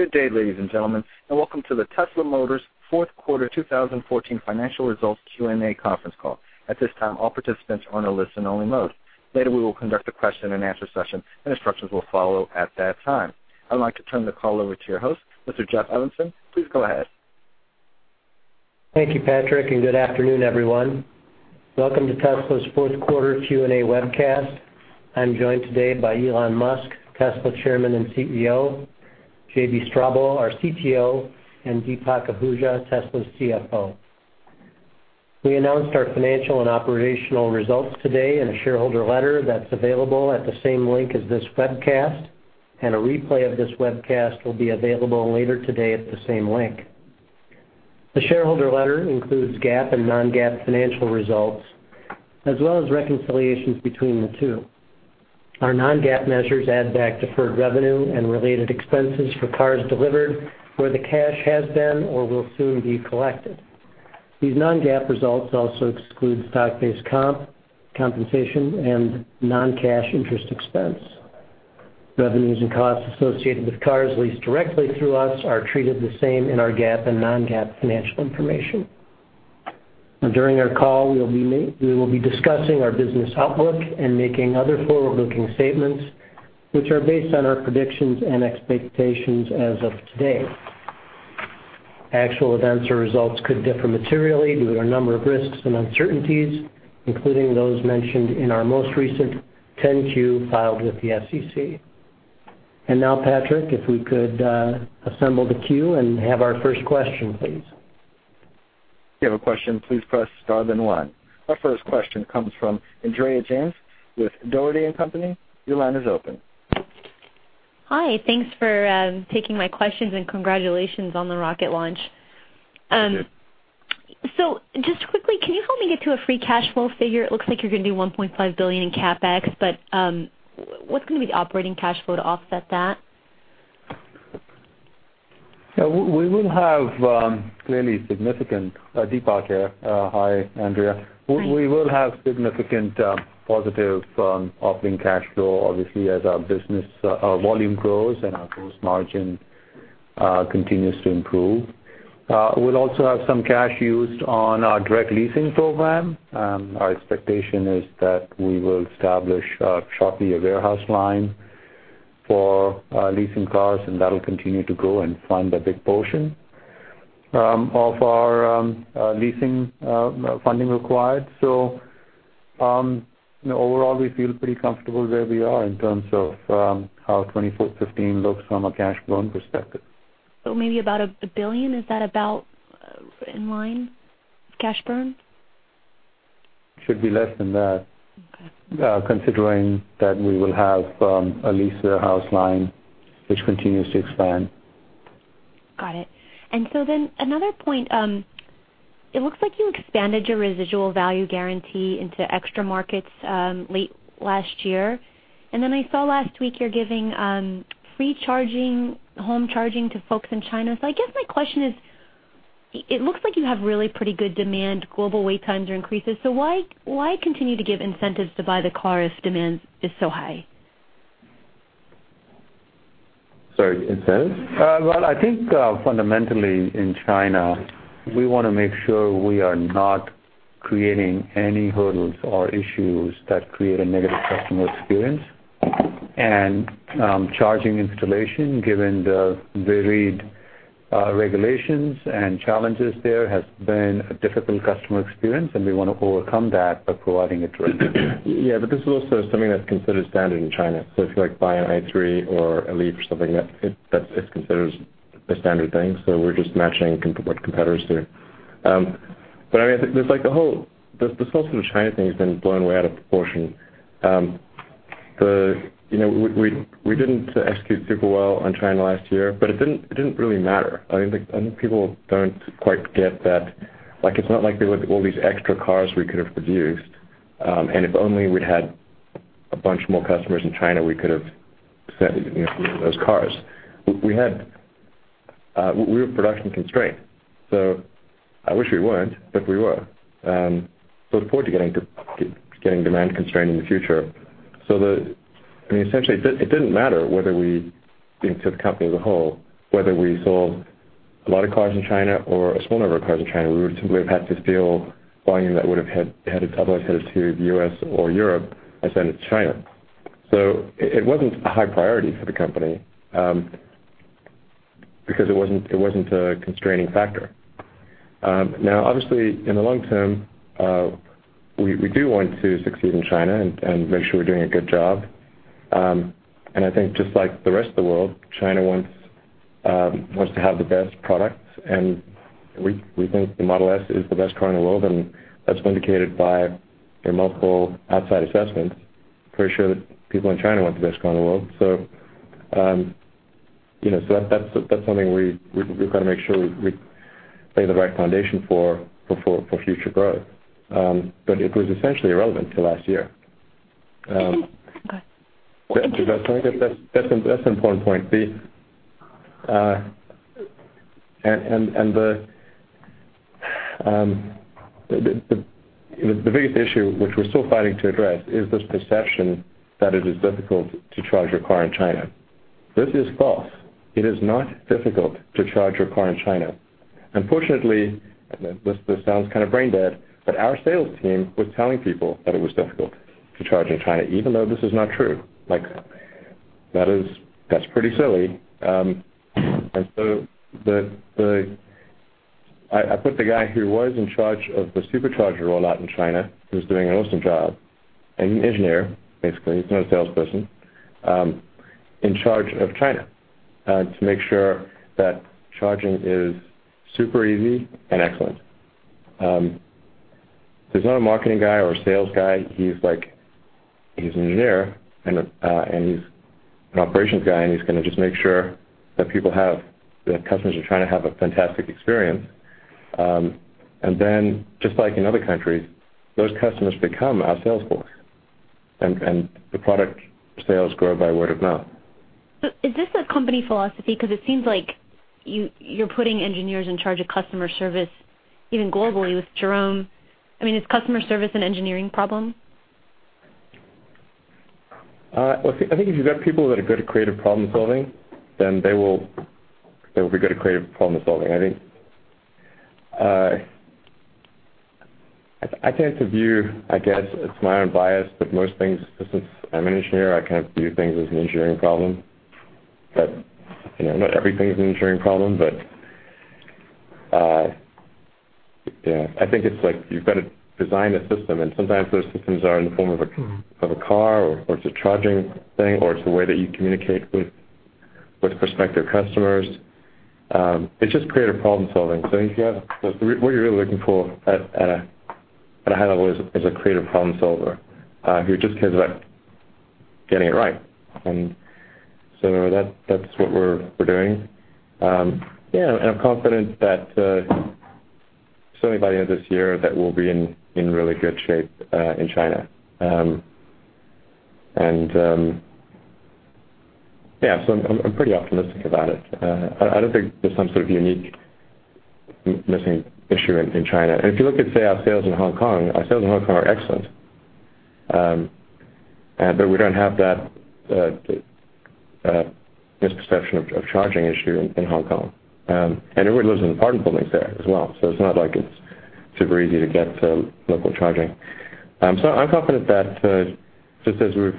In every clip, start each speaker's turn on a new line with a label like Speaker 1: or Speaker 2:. Speaker 1: Good day, ladies and gentlemen, and welcome to the Tesla Motors Fourth Quarter 2014 Financial Results Q&A Conference Call. At this time, all participants are in a listen only mode. Later, we will conduct a question and answer session, and instructions will follow at that time. I'd like to turn the call over to your host, Mr. Jeff Evanson. Please go ahead.
Speaker 2: Thank you, Patrick, and good afternoon, everyone. Welcome to Tesla's fourth quarter Q&A webcast. I'm joined today by Elon Musk, Tesla Chairman and CEO, JB Straubel, our CTO, and Deepak Ahuja, Tesla's CFO. We announced our financial and operational results today in a shareholder letter that's available at the same link as this webcast. A replay of this webcast will be available later today at the same link. The shareholder letter includes GAAP and non-GAAP financial results, as well as reconciliations between the two. Our non-GAAP measures add back deferred revenue and related expenses for cars delivered where the cash has been or will soon be collected. These non-GAAP results also exclude stock-based compensation and non-cash interest expense. Revenues and costs associated with cars leased directly through us are treated the same in our GAAP and non-GAAP financial information. During our call, we will be discussing our business outlook and making other forward-looking statements which are based on our predictions and expectations as of today. Actual events or results could differ materially due to a number of risks and uncertainties, including those mentioned in our most recent 10-Q filed with the SEC. Now, Patrick, if we could assemble the queue and have our first question, please.
Speaker 1: If you have a question, please press star then one. Our first question comes from Andrea James with Dougherty & Company. Your line is open.
Speaker 3: Hi, thanks for taking my questions, congratulations on the rocket launch.
Speaker 2: Thank you.
Speaker 3: Just quickly, can you help me get to a free cash flow figure? It looks like you're going to do $1.5 billion in CapEx, what's going to be the operating cash flow to offset that?
Speaker 4: Yeah, Deepak here. Hi, Andrea.
Speaker 3: Hi.
Speaker 4: We will have significant positive operating cash flow, obviously, as our volume grows and our gross margin continues to improve. We'll also have some cash used on our direct leasing program. Our expectation is that we will establish shortly a warehouse line for leasing cars and that'll continue to grow and fund a big portion of our leasing funding required. Overall, we feel pretty comfortable where we are in terms of how 2015 looks from a cash burn perspective.
Speaker 3: Maybe about $1 billion, is that about in line of cash burn?
Speaker 4: Should be less than that.
Speaker 3: Okay
Speaker 4: considering that we will have a lease warehouse line, which continues to expand.
Speaker 3: Got it. Another point, it looks like you expanded your residual value guarantee into extra markets late last year. I saw last week you're giving free home charging to folks in China. I guess my question is, it looks like you have really pretty good demand. Global wait times are increasing. Why continue to give incentives to buy the car if demand is so high?
Speaker 4: Sorry, say that again. Well, I think fundamentally in China, we want to make sure we are not creating any hurdles or issues that create a negative customer experience. Charging installation, given the varied regulations and challenges there, has been a difficult customer experience, and we want to overcome that by providing it directly.
Speaker 5: Yeah, this is also something that's considered standard in China. If you buy an i3 or a Leaf or something, that's considered a standard thing. We're just matching what competitors do. I think this whole China thing has been blown way out of proportion. We didn't execute super well on China last year, but it didn't really matter. I think people don't quite get that. It's not like there were all these extra cars we could have produced, and if only we'd had a bunch more customers in China, we could have sent those cars. We were production constrained. I wish we weren't, but we were. Look forward to getting demand constrained in the future. Essentially, it didn't matter whether we, thinking of the company as a whole, whether we sold a lot of cars in China or a small number of cars in China, we would simply have had to steal volume that would have otherwise headed to the U.S. or Europe and send it to China. It wasn't a high priority for the company because it wasn't a constraining factor. Now, obviously, in the long term, we do want to succeed in China and make sure we're doing a good job. I think just like the rest of the world, China wants to have the best products, and we think the Model S is the best car in the world, and that's vindicated by multiple outside assessments. Pretty sure that people in China want the best car in the world. That's something we've got to make sure we lay the right foundation for future growth. It was essentially irrelevant to last year.
Speaker 3: Go ahead.
Speaker 4: That's an important point, the
Speaker 5: The biggest issue, which we're still fighting to address, is this perception that it is difficult to charge your car in China. This is false. It is not difficult to charge your car in China. Unfortunately, this sounds kind of brain-dead, our sales team was telling people that it was difficult to charge in China, even though this is not true. That's pretty silly. I put the guy who was in charge of the Supercharger rollout in China, who's doing an awesome job, an engineer, basically, he's not a salesperson, in charge of China to make sure that charging is super easy and excellent. He's not a marketing guy or a sales guy. He's an engineer and he's an operations guy, and he's going to just make sure that customers in China have a fantastic experience. Just like in other countries, those customers become our sales force, and the product sales grow by word of mouth.
Speaker 3: Is this a company philosophy? Because it seems like you're putting engineers in charge of customer service even globally with Jerome. Is customer service an engineering problem?
Speaker 5: I think if you've got people that are good at creative problem-solving, then they will be good at creative problem-solving. I tend to view, I guess it's my own bias, but most things, since I'm an engineer, I kind of view things as an engineering problem. Not everything's an engineering problem, but I think it's like you've got to design a system, and sometimes those systems are in the form of a car, or it's a charging thing, or it's the way that you communicate with prospective customers. It's just creative problem-solving. What you're really looking for at a high level is a creative problem-solver who just cares about getting it right. That's what we're doing. I'm confident that certainly by the end of this year that we'll be in really good shape in China. I'm pretty optimistic about it. I don't think there's some sort of unique missing issue in China. If you look at, say, our sales in Hong Kong, our sales in Hong Kong are excellent, but we don't have that misperception of charging issue in Hong Kong. Everybody lives in apartment buildings there as well, so it's not like it's super easy to get local charging. I'm confident that just as we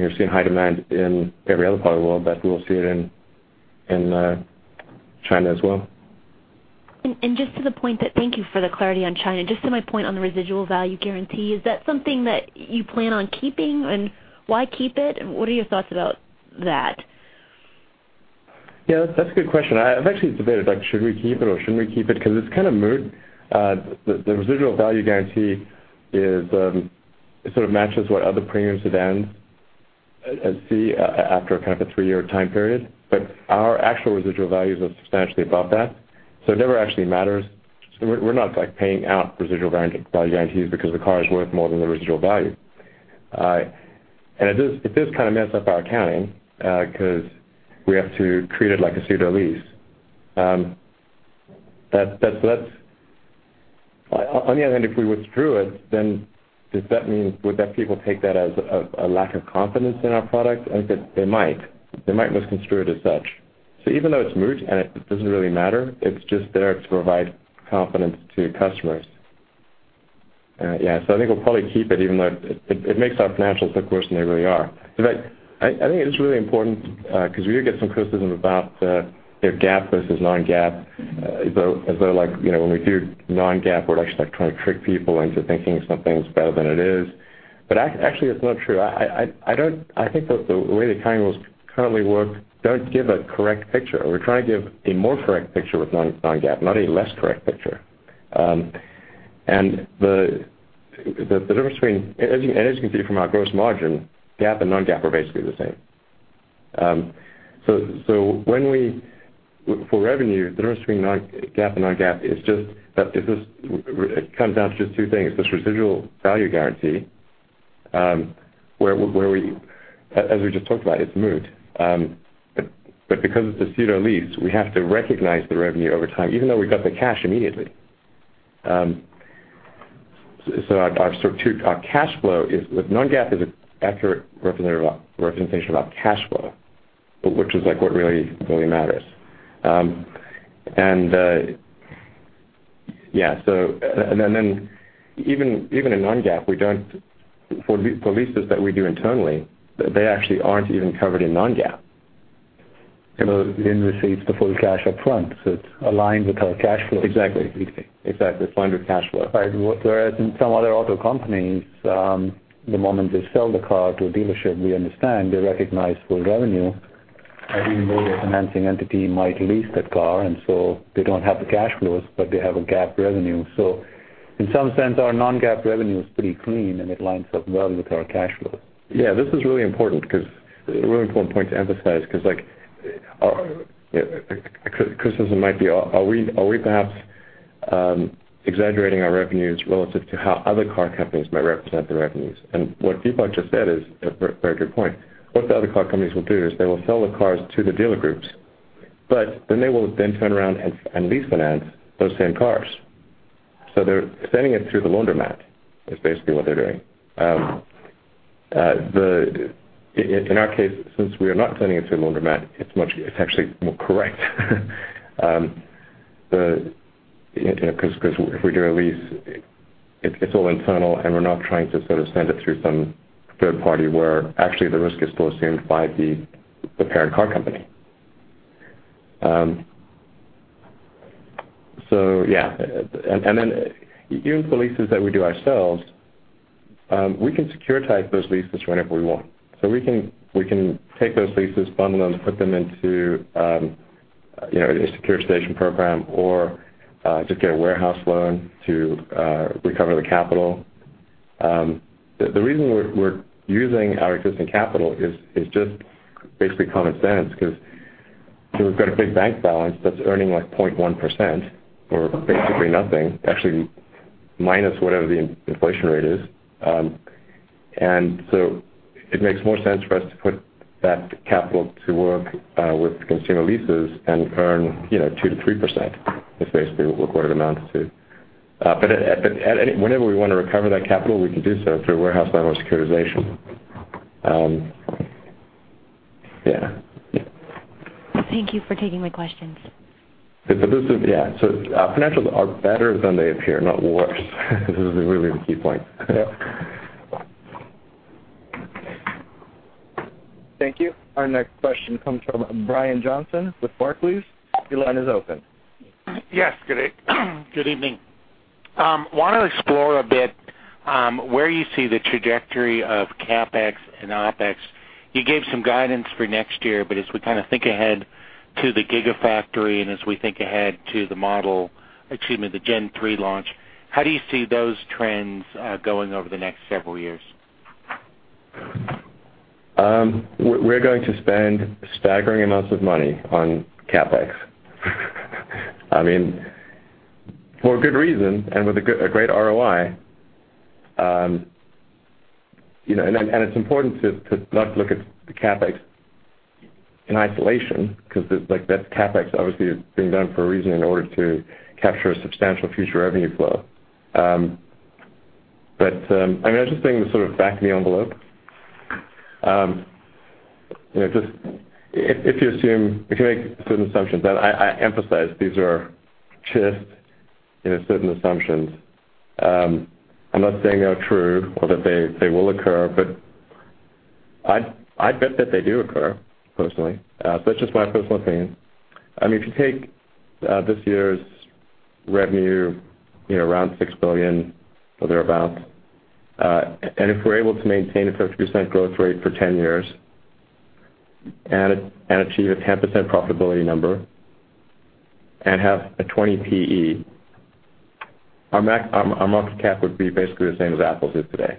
Speaker 5: have seen high demand in every other part of the world, that we will see it in China as well.
Speaker 3: Thank you for the clarity on China. Just to my point on the residual value guarantee, is that something that you plan on keeping, and why keep it? What are your thoughts about that?
Speaker 5: Yeah, that's a good question. I've actually debated, should we keep it or shouldn't we keep it? Because it's kind of moot. The residual value guarantee sort of matches what other premium sedans see after a three-year time period. Our actual residual values are substantially above that, it never actually matters. We're not paying out residual value guarantees because the car is worth more than the residual value. It does kind of mess up our accounting, because we have to treat it like a pseudo-lease. On the other hand, if we withdrew it, would people take that as a lack of confidence in our product? They might. They might misconstrue it as such. Even though it's moot and it doesn't really matter, it's just there to provide confidence to customers. Yeah, I think we'll probably keep it, even though it makes our financials look worse than they really are. I think it is really important because we do get some criticism about GAAP versus non-GAAP, as though when we do non-GAAP, we're actually trying to trick people into thinking something's better than it is. Actually, that's not true. I think that the way the accounting rules currently work don't give a correct picture. We're trying to give a more correct picture with non-GAAP, not a less correct picture. As you can see from our gross margin, GAAP and non-GAAP are basically the same. For revenue, the difference between GAAP and non-GAAP comes down to just two things. This residual value guarantee, as we just talked about, it's moot. Because it's a pseudo-lease, we have to recognize the revenue over time, even though we got the cash immediately. Our cash flow is, non-GAAP is an accurate representation of our cash flow, which is what really matters. Even in non-GAAP, for leases that we do internally, they actually aren't even covered in non-GAAP.
Speaker 4: Even though Elon receives the full cash up front, so it's aligned with our cash flows.
Speaker 5: Exactly. It's aligned with cash flow.
Speaker 4: Whereas in some other auto companies, the moment they sell the car to a dealership, we understand they recognize full revenue, even though a financing entity might lease that car, and so they don't have the cash flows, but they have a GAAP revenue. In some sense, our non-GAAP revenue is pretty clean, and it lines up well with our cash flow.
Speaker 5: Yeah, this is a really important point to emphasize because a criticism might be, are we perhaps exaggerating our revenues relative to how other car companies might represent their revenues. What Deepak just said is a very good point. What the other car companies will do is they will sell the cars to the dealer groups, but then they will then turn around and lease finance those same cars. They're sending it through the laundromat, is basically what they're doing. In our case, since we are not sending it through the laundromat, it's actually more correct. Because if we do a lease, it's all internal, and we're not trying to sort of send it through some third party where actually the risk is still assumed by the parent car company. Yeah. Even for leases that we do ourselves, we can securitize those leases whenever we want. We can take those leases, bundle them, put them into a securitization program or just get a warehouse loan to recover the capital. The reason we're using our existing capital is just basically common sense, because we've got a big bank balance that's earning, like, 0.1% or basically nothing. Actually, minus whatever the inflation rate is. It makes more sense for us to put that capital to work with consumer leases and earn 2%-3%, is basically what it amounts to. Whenever we want to recover that capital, we can do so through a warehouse loan or securitization. Yeah.
Speaker 3: Thank you for taking my questions.
Speaker 5: Yeah. Our financials are better than they appear, not worse. This is really the key point. Yeah.
Speaker 1: Thank you. Our next question comes from Brian Johnson with Barclays. Your line is open.
Speaker 6: Yes, good evening. Want to explore a bit where you see the trajectory of CapEx and OpEx. You gave some guidance for next year, as we think ahead to the Gigafactory and as we think ahead to the model [inaudible] the Gen3 launch, how do you see those trends going over the next several years?
Speaker 5: We're going to spend staggering amounts of money on CapEx. For a good reason and with a great ROI. It's important to not look at the CapEx in isolation, because that CapEx obviously is being done for a reason, in order to capture a substantial future revenue flow. Just thinking sort of back of the envelope. If you assume, if you make certain assumptions, I emphasize, these are just certain assumptions. I'm not saying they are true or that they will occur, I'd bet that they do occur, personally. That's just my personal opinion. If you take this year's revenue around $6 billion or thereabouts, if we're able to maintain a 50% growth rate for 10 years and achieve a 10% profitability number and have a 20 PE, our market cap would be basically the same as Apple's is today.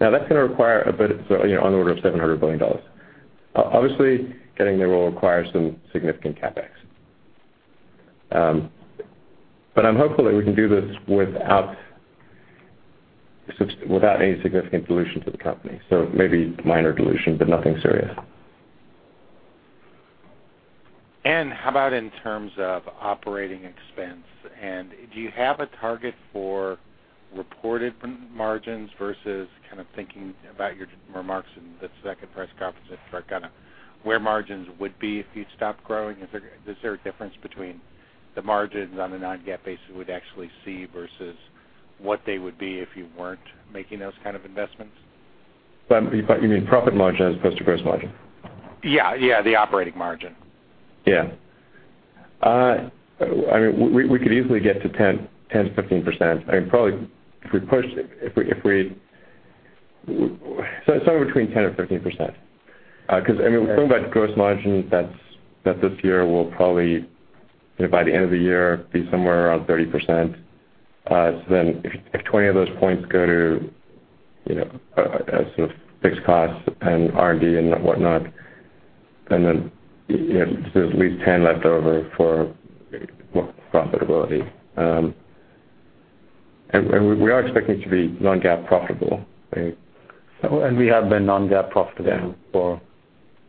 Speaker 5: That's going to require on the order of $700 billion. Obviously, getting there will require some significant CapEx. I'm hopeful that we can do this without any significant dilution to the company. Maybe minor dilution, nothing serious.
Speaker 6: How about in terms of operating expense? Do you have a target for reported margins versus kind of thinking about your remarks in the second press conference in Nevada, where margins would be if you stop growing? Is there a difference between the margins on a non-GAAP basis we'd actually see versus what they would be if you weren't making those kind of investments?
Speaker 5: You mean profit margin as opposed to gross margin?
Speaker 6: Yeah, the operating margin.
Speaker 5: Yeah. We could easily get to 10%-15%. Probably if we pushed it. Somewhere between 10% and 15%. When we think about gross margins, that this year will probably, by the end of the year, be somewhere around 30%. If 20 of those points go to sort of fixed costs and R&D and whatnot, and then there's at least 10 left over for profitability. We are expecting to be non-GAAP profitable.
Speaker 4: We have been non-GAAP profitable for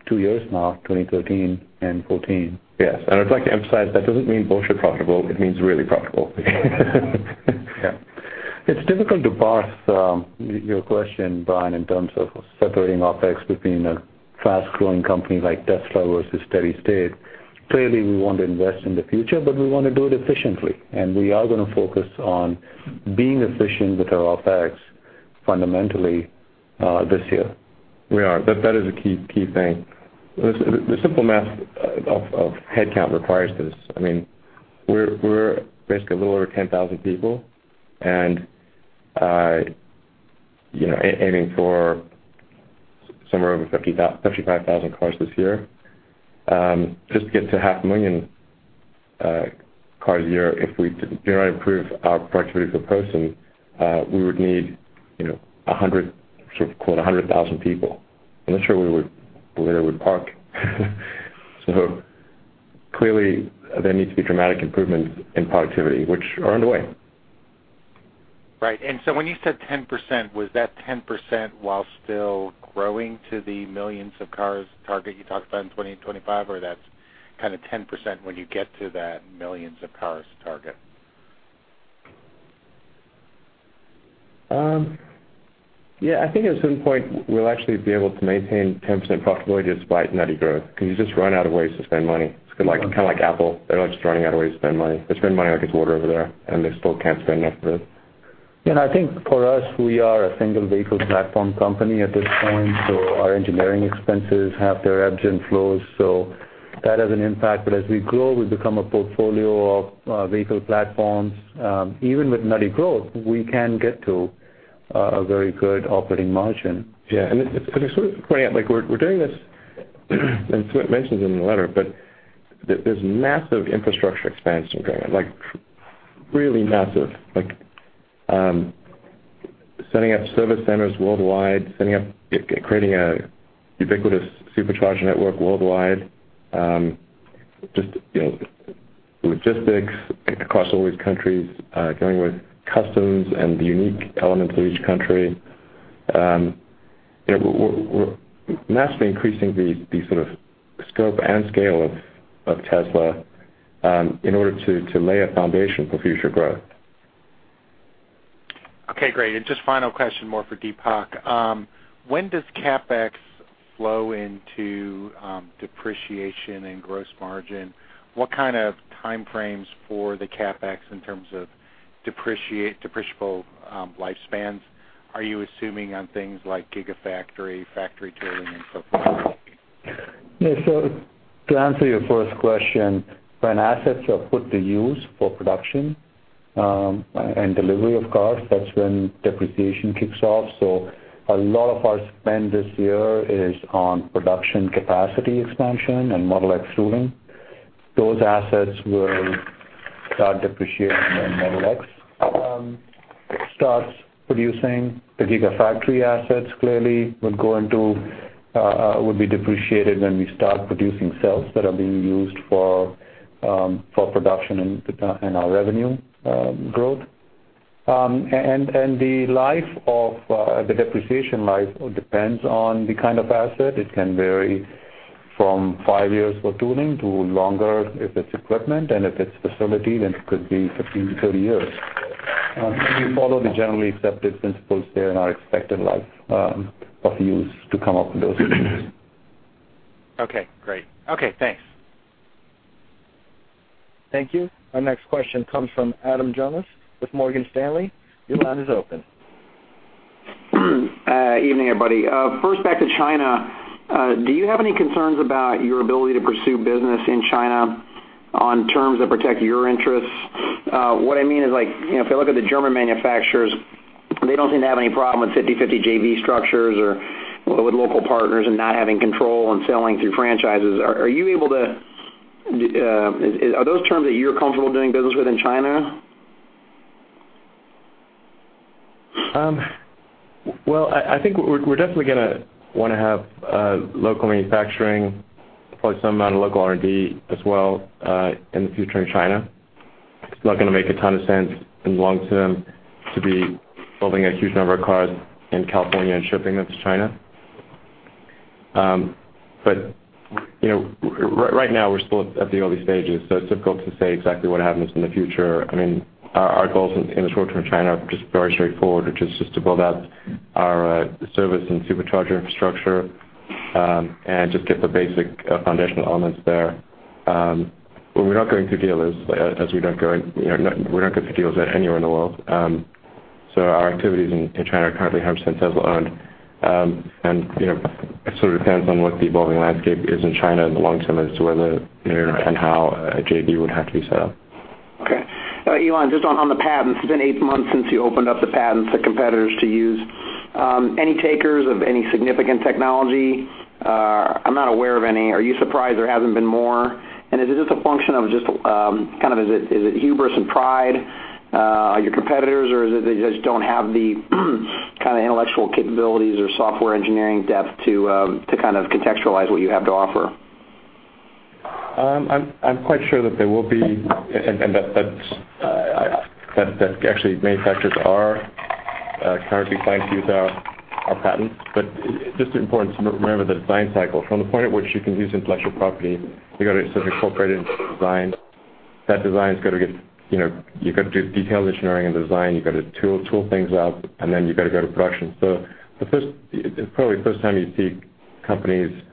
Speaker 4: two years now, 2013 and 2014.
Speaker 5: Yes. I'd like to emphasize that doesn't mean bullshit profitable. It means really profitable.
Speaker 4: Yeah. It's difficult to parse your question, Brian, in terms of separating OpEx between a fast-growing company like Tesla versus steady state. Clearly, we want to invest in the future, but we want to do it efficiently, and we are going to focus on being efficient with our OpEx fundamentally this year.
Speaker 5: We are. That is a key thing. The simple math of headcount requires this. We're basically a little over 10,000 people and aiming for somewhere over 75,000 cars this year. Just to get to half a million cars a year, if we do not improve our productivity per person, we would need, quote, 100,000 people. I'm not sure where we would park. Clearly there needs to be dramatic improvements in productivity, which are on the way.
Speaker 6: Right. When you said 10%, was that 10% while still growing to the millions of cars target you talked about in 2025, or that's 10% when you get to that millions of cars target?
Speaker 5: Yeah, I think at some point we'll actually be able to maintain 10% profitability despite net growth, because you just run out of ways to spend money. It's kind of like Apple. They're just running out of ways to spend money. They spend money like it's water over there, and they still can't spend enough of it.
Speaker 4: I think for us, we are a single vehicle platform company at this point. Our engineering expenses have their ebbs and flows, so that has an impact. As we grow, we become a portfolio of vehicle platforms. Even with net growth, we can get to a very good operating margin.
Speaker 5: Yeah. Just sort of pointing out, we're doing this, and it mentions it in the letter, there's massive infrastructure expansion going on, like really massive. Setting up service centers worldwide, creating a ubiquitous Supercharger network worldwide, just logistics across all these countries, dealing with customs and the unique elements of each country. We're massively increasing the sort of scope and scale of Tesla in order to lay a foundation for future growth.
Speaker 6: Okay, great. Just final question, more for Deepak. When does CapEx flow into depreciation and gross margin? What kind of time frames for the CapEx in terms of depreciable lifespans are you assuming on things like Gigafactory, factory tooling, and so forth?
Speaker 4: To answer your first question, when assets are put to use for production and delivery of cars, that's when depreciation kicks off. A lot of our spend this year is on production capacity expansion and Model X tooling. Those assets will start depreciating when Model X starts producing. The Gigafactory assets clearly would be depreciated when we start producing cells that are being used for production and our revenue growth. The depreciation life depends on the kind of asset. It can vary from five years for tooling to longer if it's equipment, and if it's facility, then it could be 15 to 30 years. We follow the generally accepted principles there in our expected life of use to come up with those figures.
Speaker 6: Okay, great. Okay, thanks.
Speaker 1: Thank you. Our next question comes from Adam Jonas with Morgan Stanley. Your line is open.
Speaker 7: Evening, everybody. First, back to China. Do you have any concerns about your ability to pursue business in China on terms that protect your interests? What I mean is, if you look at the German manufacturers, they don't seem to have any problem with 50/50 JV structures or with local partners and not having control and selling through franchises. Are those terms that you're comfortable doing business with in China?
Speaker 5: Well, I think we're definitely going to want to have local manufacturing, probably some amount of local R&D as well, in the future in China. It's not going to make a ton of sense in the long term to be building a huge number of cars in California and shipping them to China. Right now, we're still at the early stages, so it's difficult to say exactly what happens in the future. Our goals in the short term in China are just very straightforward, which is just to build out our service and Supercharger infrastructure, and just get the basic foundational elements there. We're not going through dealers, as we're not going through dealers anywhere in the world. Our activities in China are currently 100% Tesla-owned. It sort of depends on what the evolving landscape is in China in the long term as to whether and how a JV would have to be set up.
Speaker 7: Okay. Elon, just on the patents, it's been eight months since you opened up the patents to competitors to use. Any takers of any significant technology? I'm not aware of any. Are you surprised there hasn't been more? Is it just a function of, is it hubris and pride, your competitors, or is it they just don't have the kind of intellectual capabilities or software engineering depth to kind of contextualize what you have to offer?
Speaker 5: I'm quite sure that there will be, that actually manufacturers are currently trying to use our patents. Just important to remember the design cycle. From the point at which you can use intellectual property, you've got to incorporate it into the design. That design, you've got to do detailed engineering and design, you've got to tool things up, and then you've got to go to production. Probably the first time you'd see companies,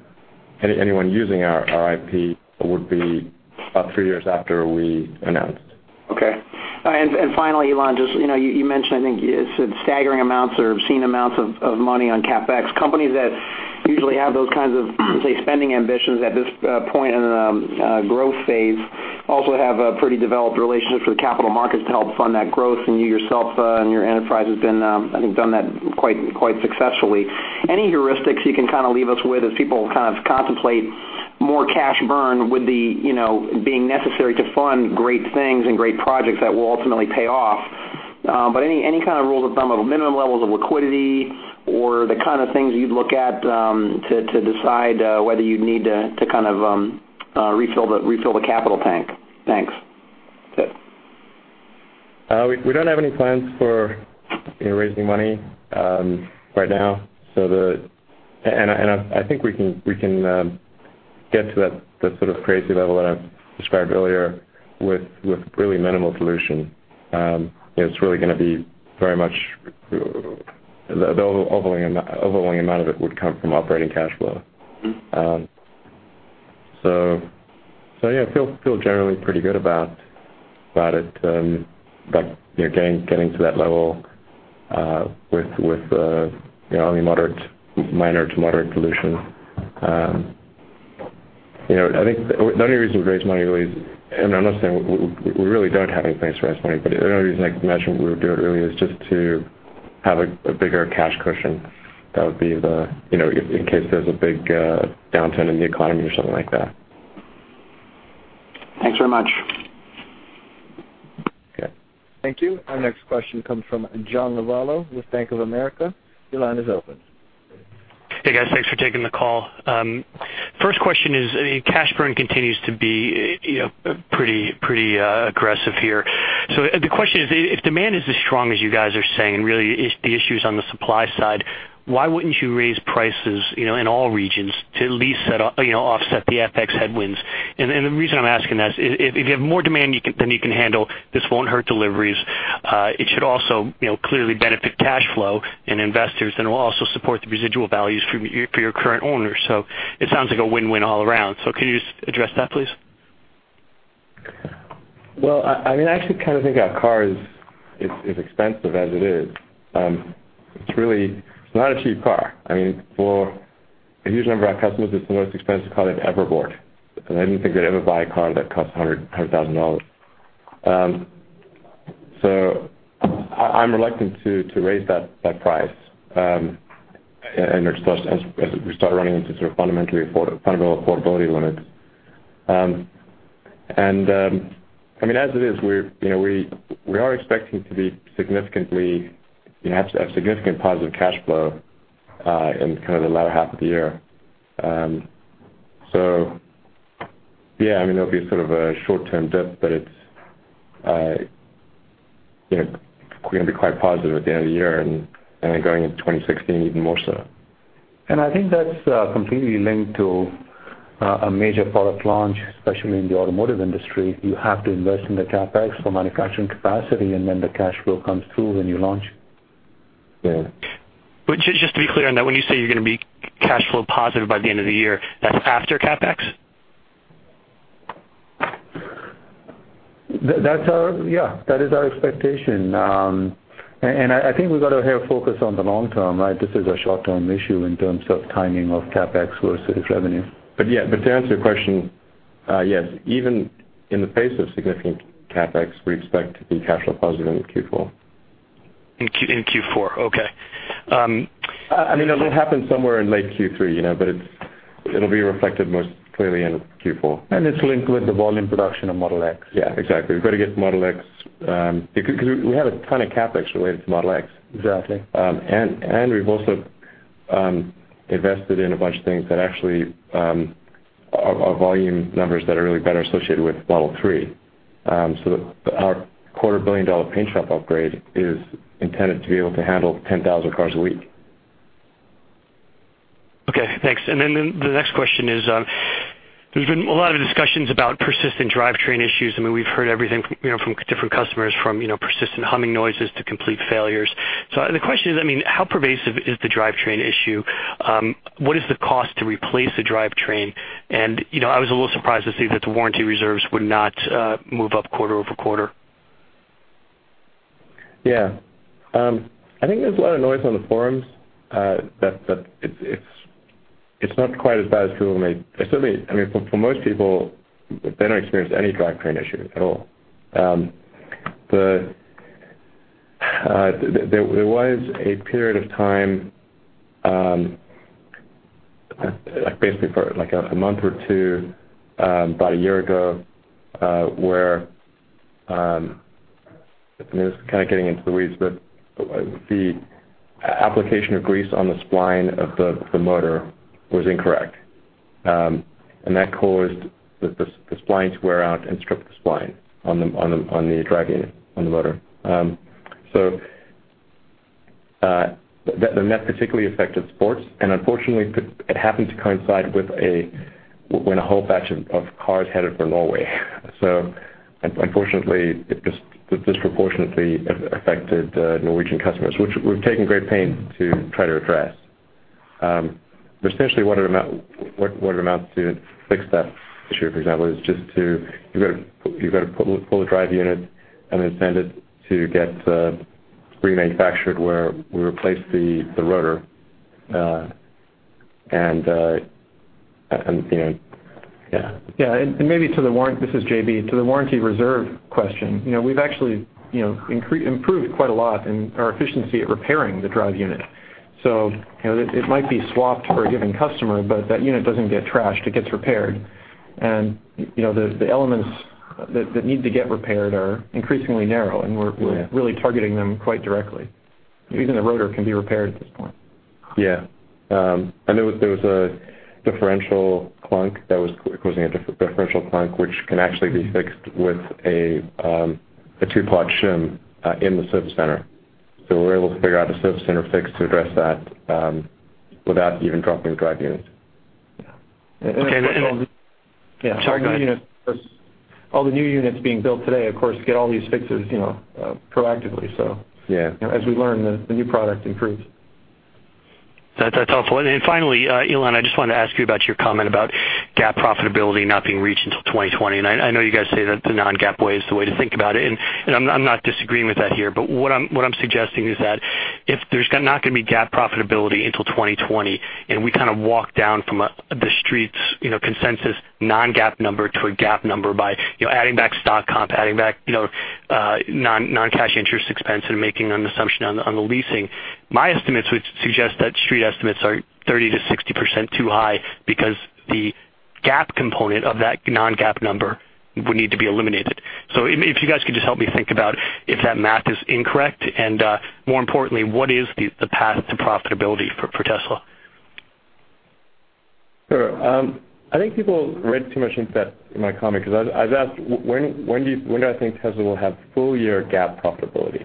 Speaker 5: anyone using our IP, would be about three years after we announced.
Speaker 7: Okay. Finally, Elon, just you mentioned, I think you said staggering amounts or obscene amounts of money on CapEx. Companies that usually have those kinds of, say, spending ambitions at this point in the growth phase also have a pretty developed relationship with capital markets to help fund that growth. You yourself and your enterprise have done that quite successfully. Any heuristics you can kind of leave us with as people kind of contemplate more cash burn with being necessary to fund great things and great projects that will ultimately pay off? Any kind of rules of thumb of minimum levels of liquidity or the kind of things you'd look at to decide whether you'd need to refill the capital tank? Thanks.
Speaker 5: We don't have any plans for raising money right now. I think we can get to that sort of crazy level that I described earlier with really minimal dilution. It's really going to be very much the overwhelming amount of it would come from operating cash flow. Yeah, I feel generally pretty good about it, getting to that level with only minor to moderate dilution. I think the only reason to raise money really is, and understand, we really don't have any plans to raise money, but the only reason I can imagine we would do it really is just to have a bigger cash cushion. That would be in case there's a big downturn in the economy or something like that.
Speaker 7: Thanks very much.
Speaker 5: Okay.
Speaker 1: Thank you. Our next question comes from John Lovallo with Bank of America. Your line is open.
Speaker 8: Hey, guys. Thanks for taking the call. First question is, cash burn continues to be pretty aggressive here. The question is, if demand is as strong as you guys are saying, really, the issue's on the supply side, why wouldn't you raise prices in all regions to at least offset the FX headwinds? The reason I'm asking that is if you have more demand than you can handle, this won't hurt deliveries. It should also clearly benefit cash flow and investors, and it will also support the residual values for your current owners. It sounds like a win-win all around. Can you address that, please?
Speaker 5: Well, I actually kind of think our car is expensive as it is. It's really not a cheap car. For a huge number of our customers, it's the most expensive car they've ever bought. They didn't think they'd ever buy a car that costs $100,000. I'm reluctant to raise that price as we start running into sort of fundamental affordability limits. As it is, we are expecting to have significant positive cash flow in the latter half of the year. Yeah, there'll be sort of a short-term dip, but we're going to be quite positive at the end of the year, then going into 2016, even more so.
Speaker 4: I think that's completely linked to a major product launch, especially in the automotive industry. You have to invest in the CapEx for manufacturing capacity, and then the cash flow comes through when you launch.
Speaker 5: Yeah.
Speaker 8: Just to be clear on that, when you say you're going to be cash flow positive by the end of the year, that's after CapEx?
Speaker 4: Yeah, that is our expectation. I think we've got to have focus on the long term. This is a short-term issue in terms of timing of CapEx versus revenue.
Speaker 5: To answer your question, yes, even in the face of significant CapEx, we expect to be cash flow positive in Q4.
Speaker 8: In Q4, okay.
Speaker 5: It'll happen somewhere in late Q3, but it'll be reflected most clearly in Q4.
Speaker 4: It's linked with the volume production of Model X.
Speaker 5: Yeah, exactly. We've got to get Model X, because we had a ton of CapEx related to Model X.
Speaker 4: Exactly.
Speaker 5: We've also invested in a bunch of things that actually are volume numbers that are really better associated with Model 3. Our quarter-billion-dollar paint shop upgrade is intended to be able to handle 10,000 cars a week.
Speaker 8: Okay, thanks. The next question is, there's been a lot of discussions about persistent drivetrain issues. We've heard everything from different customers, from persistent humming noises to complete failures. The question is, how pervasive is the drivetrain issue? What is the cost to replace a drivetrain? I was a little surprised to see that the warranty reserves would not move up quarter-over-quarter.
Speaker 5: Yeah. I think there's a lot of noise on the forums, but it's not quite as bad as people have made. For most people, they don't experience any drivetrain issues at all. There was a period of time, basically for a month or two about a year ago, where, this is kind of getting into the weeds, but the application of grease on the spline of the motor was incorrect. That caused the spline to wear out and strip the spline on the drive unit on the motor. That particularly affected [Sport], and unfortunately, it happened to coincide with when a whole batch of cars headed for Norway. Unfortunately, it disproportionately affected Norwegian customers, which we've taken great pain to try to address. Essentially, what amounts to fix that issue, for example, is just you've got to pull the drive unit and then send it to get remanufactured, where we replace the rotor and yeah.
Speaker 9: Yeah. This is JB. Maybe to the warranty reserve question, we've actually improved quite a lot in our efficiency at repairing the drive unit. It might be swapped for a given customer, but that unit doesn't get trashed. It gets repaired. The elements that need to get repaired are increasingly narrow, and we're really targeting them quite directly. Even the rotor can be repaired at this point.
Speaker 5: There was a differential clunk that was causing a differential clunk, which can actually be fixed with a two-part shim in the service center. We were able to figure out a service center fix to address that without even dropping the drive unit.
Speaker 9: Yeah.
Speaker 8: Okay. Sorry, go ahead.
Speaker 9: All the new units being built today, of course, get all these fixes proactively.
Speaker 5: Yeah.
Speaker 9: As we learn, the new product improves.
Speaker 8: That's helpful. Finally, Elon, I just wanted to ask you about your comment about GAAP profitability not being reached until 2020. I know you guys say that the non-GAAP way is the way to think about it, and I'm not disagreeing with that here. What I'm suggesting is that if there's not going to be GAAP profitability until 2020, and we kind of walk down from the Street's consensus non-GAAP number to a GAAP number by adding back stock comp, adding back non-cash interest expense and making an assumption on the leasing, my estimates would suggest that Street estimates are 30%-60% too high because the GAAP component of that non-GAAP number would need to be eliminated. If you guys could just help me think about if that math is incorrect and, more importantly, what is the path to profitability for Tesla?
Speaker 5: Sure. I think people read too much into that, in my comment, because I was asked when do I think Tesla will have full-year GAAP profitability.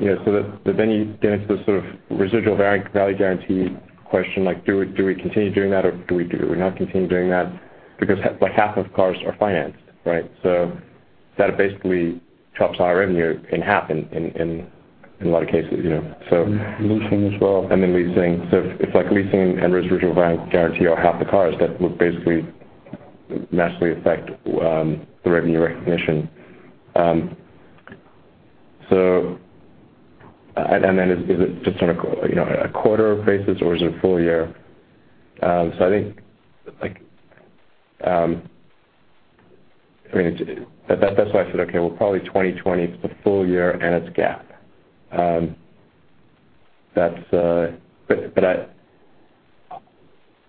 Speaker 5: You get into the sort of residual value guarantee question, like do we continue doing that or do we not continue doing that, because half of cars are financed, right? That basically chops our revenue in half in a lot of cases.
Speaker 9: Leasing as well.
Speaker 5: Leasing. It's like leasing and residual value guarantee on half the cars that would basically massively affect the revenue recognition. Is it just on a quarter basis, or is it full year? I think that's why I said, okay, well, probably 2020, it's a full year and it's GAAP.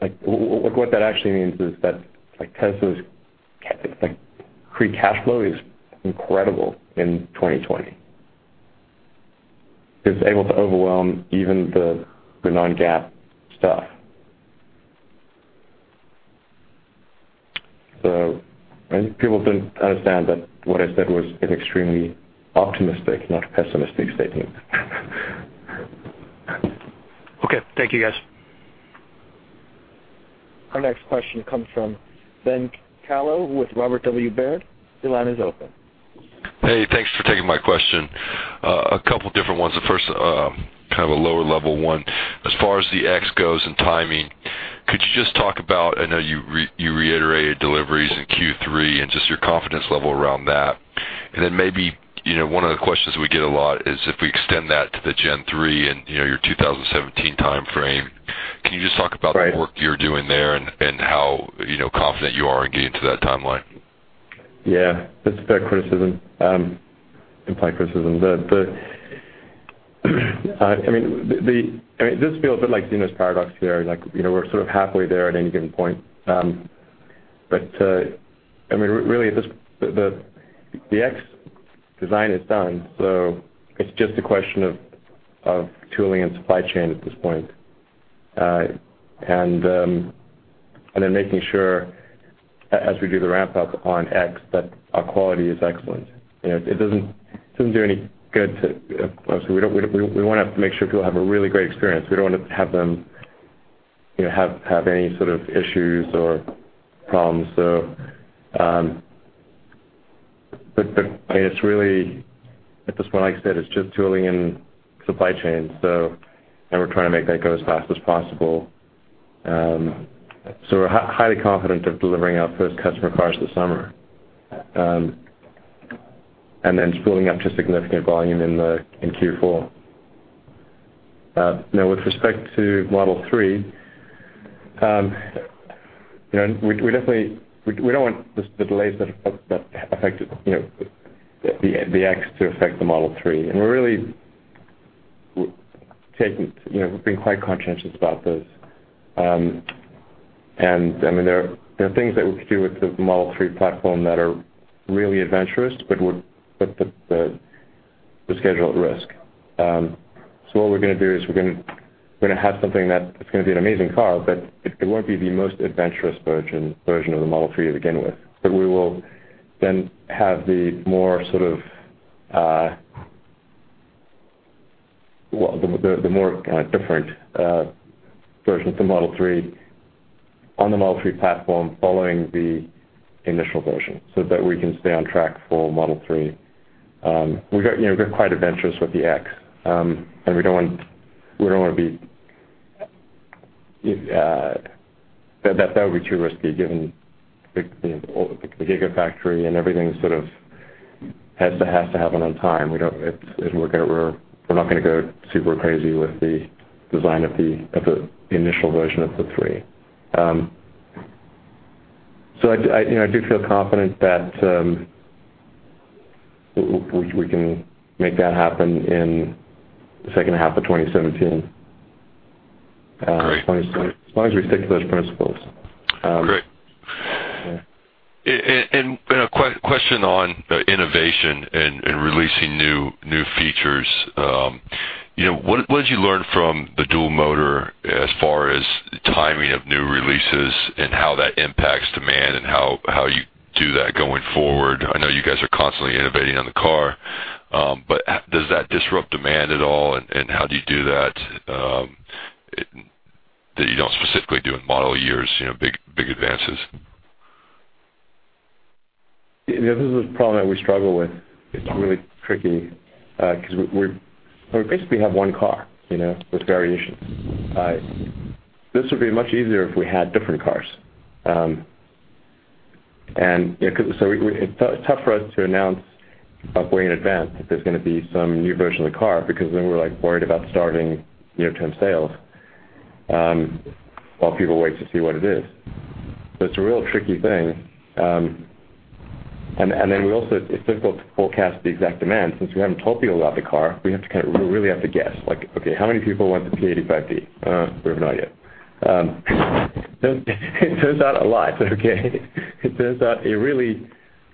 Speaker 5: What that actually means is that Tesla's free cash flow is incredible in 2020. It's able to overwhelm even the non-GAAP stuff. I think people didn't understand that what I said was an extremely optimistic, not pessimistic statement.
Speaker 8: Okay. Thank you, guys.
Speaker 1: Our next question comes from Ben Kallo with Robert W. Baird. Your line is open.
Speaker 10: Hey, thanks for taking my question. A couple different ones. The first, kind of a lower-level one. As far as the X goes and timing, could you just talk about, I know you reiterated deliveries in Q3 and just your confidence level around that. Maybe one of the questions we get a lot is if we extend that to the Gen3 and your 2017 timeframe, can you just talk about-
Speaker 5: Right
Speaker 10: the work you're doing there and how confident you are in getting to that timeline?
Speaker 5: Yeah. That's a fair criticism. Implied criticism. This feels a bit like Zeno's paradox here. We're sort of halfway there at any given point. Really, the X design is done, so it's just a question of tooling and supply chain at this point. Making sure, as we do the ramp up on X, that our quality is excellent. We want to make sure people have a really great experience. We don't want to have them have any sort of issues or problems. At this point, like I said, it's just tooling and supply chain, and we're trying to make that go as fast as possible. We're highly confident of delivering our first customer cars this summer. Spooling up to significant volume in Q4. Now, with respect to Model 3, we don't want the delays that affected the X to affect the Model 3. We're being quite conscientious about this. There are things that we could do with the Model 3 platform that are really adventurous, but would put the schedule at risk. What we're going to do is we're going to have something that's going to be an amazing car, but it won't be the most adventurous version of the Model 3 to begin with. We will then have the more different versions of Model 3 on the Model 3 platform following the initial version so that we can stay on track for Model 3. We got quite adventurous with the X, and that would be too risky given the Gigafactory and everything sort of has to happen on time. We're not going to go super crazy with the design of the initial version of the 3. I do feel confident that we can make that happen in the second half of 2017.
Speaker 10: Great
Speaker 5: as long as we stick to those principles.
Speaker 10: A question on innovation and releasing new features. What did you learn from the Dual Motor as far as timing of new releases and how that impacts demand and how you do that going forward? I know you guys are constantly innovating on the car. Does that disrupt demand at all, and how do you do that you don't specifically do in Model Years, big advances?
Speaker 5: This is a problem that we struggle with. It's really tricky, because we basically have one car with variations. This would be much easier if we had different cars. It's tough for us to announce way in advance that there's going to be some new version of the car, because then we're worried about starving near-term sales while people wait to see what it is. It's a real tricky thing. It's difficult to forecast the exact demand since we haven't told people about the car. We really have to guess. Like, "Okay, how many people want the P85D?" We have no idea. It turns out a lot. It turns out really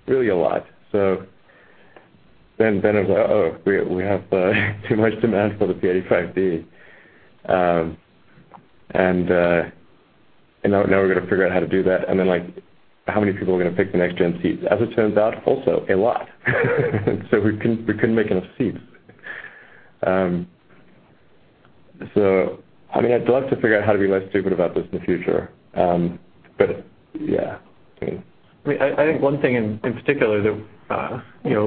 Speaker 5: a lot. It was like, "Oh, we have too much demand for the P85D." Now we've got to figure out how to do that and then how many people are going to pick the next-gen seats. As it turns out, also a lot. We couldn't make enough seats. I'd love to figure out how to be less stupid about this in the future. Yeah.
Speaker 9: I think one thing in particular that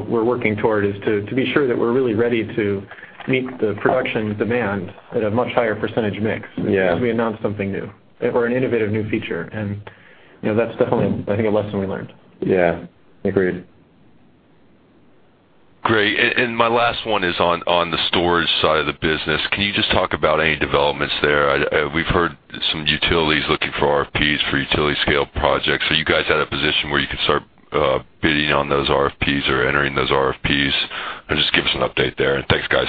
Speaker 9: we're working toward is to be sure that we're really ready to meet the production demand at a much higher percentage mix-
Speaker 5: Yeah
Speaker 9: as we announce something new or an innovative new feature. That's definitely, I think, a lesson we learned.
Speaker 5: Yeah. Agreed.
Speaker 10: Great. My last one is on the storage side of the business. Can you just talk about any developments there? We've heard some utilities looking for RFPs for utility scale projects. Are you guys at a position where you can start bidding on those RFPs or entering those RFPs? Just give us an update there. Thanks, guys.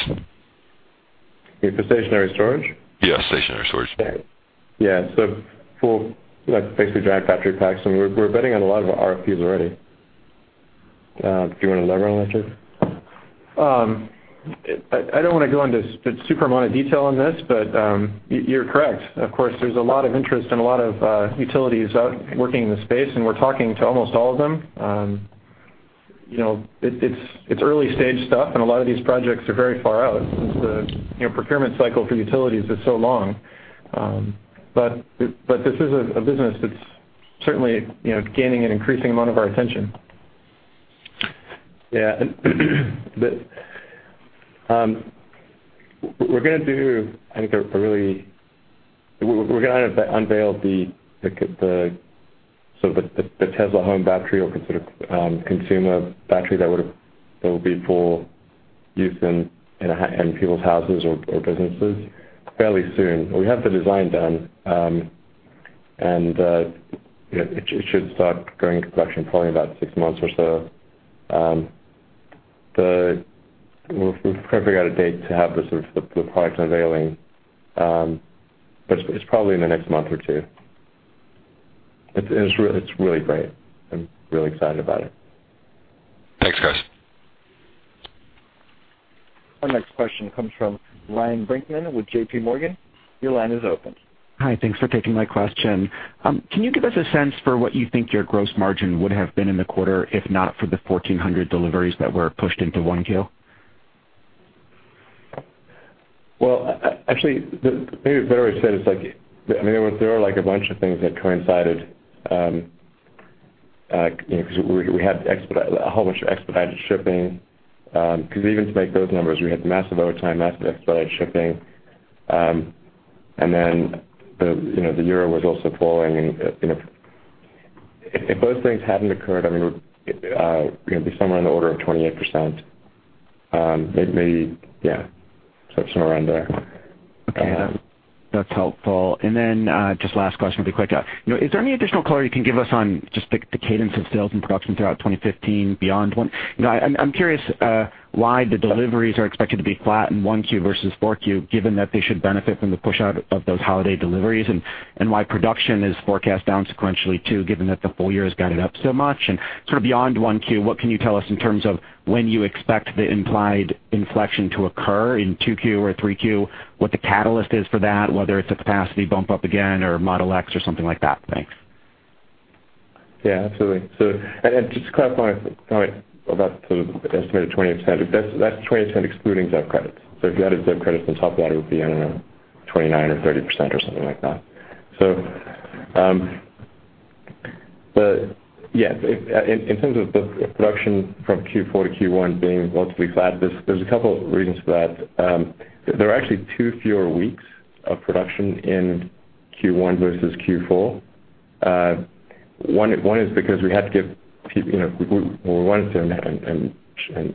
Speaker 5: You mean for stationary storage?
Speaker 10: Yeah, stationary storage.
Speaker 5: Yeah. For basically direct battery packs, we're bidding on a lot of RFPs already. Do you want to elaborate on that, JB?
Speaker 9: I don't want to go into a super amount of detail on this, you're correct. Of course, there's a lot of interest and a lot of utilities out working in the space, we're talking to almost all of them. It's early-stage stuff, a lot of these projects are very far out since the procurement cycle for utilities is so long. This is a business that's certainly gaining an increasing amount of our attention.
Speaker 5: Yeah. We're going to unveil the sort of the Tesla home battery or consumer battery that will be for use in people's houses or businesses fairly soon. We have the design done. It should start going into production probably in about six months or so. We'll figure out a date to have the sort of the product unveiling, it's probably in the next month or two. It's really great. I'm really excited about it.
Speaker 10: Thanks, guys.
Speaker 1: Our next question comes from Ryan Brinkman with J.P. Morgan. Your line is open.
Speaker 11: Hi. Thanks for taking my question. Can you give us a sense for what you think your gross margin would have been in the quarter if not for the 1,400 deliveries that were pushed into 1Q?
Speaker 5: Well, actually, maybe it's better if I said it's like, there are a bunch of things that coincided, because we had a whole bunch of expedited shipping. Because even to make those numbers, we had massive overtime, massive expedited shipping. The Euro was also falling and if those things hadn't occurred, it would be somewhere in the order of 28%. Maybe, yeah. Somewhere around there.
Speaker 11: Okay. That's helpful. Just last question really quick. Is there any additional color you can give us on just the cadence of sales and production throughout 2015 beyond one? I'm curious why the deliveries are expected to be flat in 1Q versus 4Q, given that they should benefit from the pushout of those holiday deliveries, and why production is forecast down sequentially too, given that the full year has got it up so much. Sort of beyond 1Q, what can you tell us in terms of when you expect the implied inflection to occur, in 2Q or 3Q? What the catalyst is for that, whether it's a capacity bump up again or Model X or something like that. Thanks.
Speaker 5: Yeah, absolutely. Just to clarify about the estimated 20%, that's 20% excluding ZEV credits. If you added ZEV credits on top, that would be, I don't know, 29% or 30% or something like that. Yeah, in terms of the production from Q4 to Q1 being relatively flat, there's a couple of reasons for that. There are actually two fewer weeks of production in Q1 versus Q4. One is because we wanted to,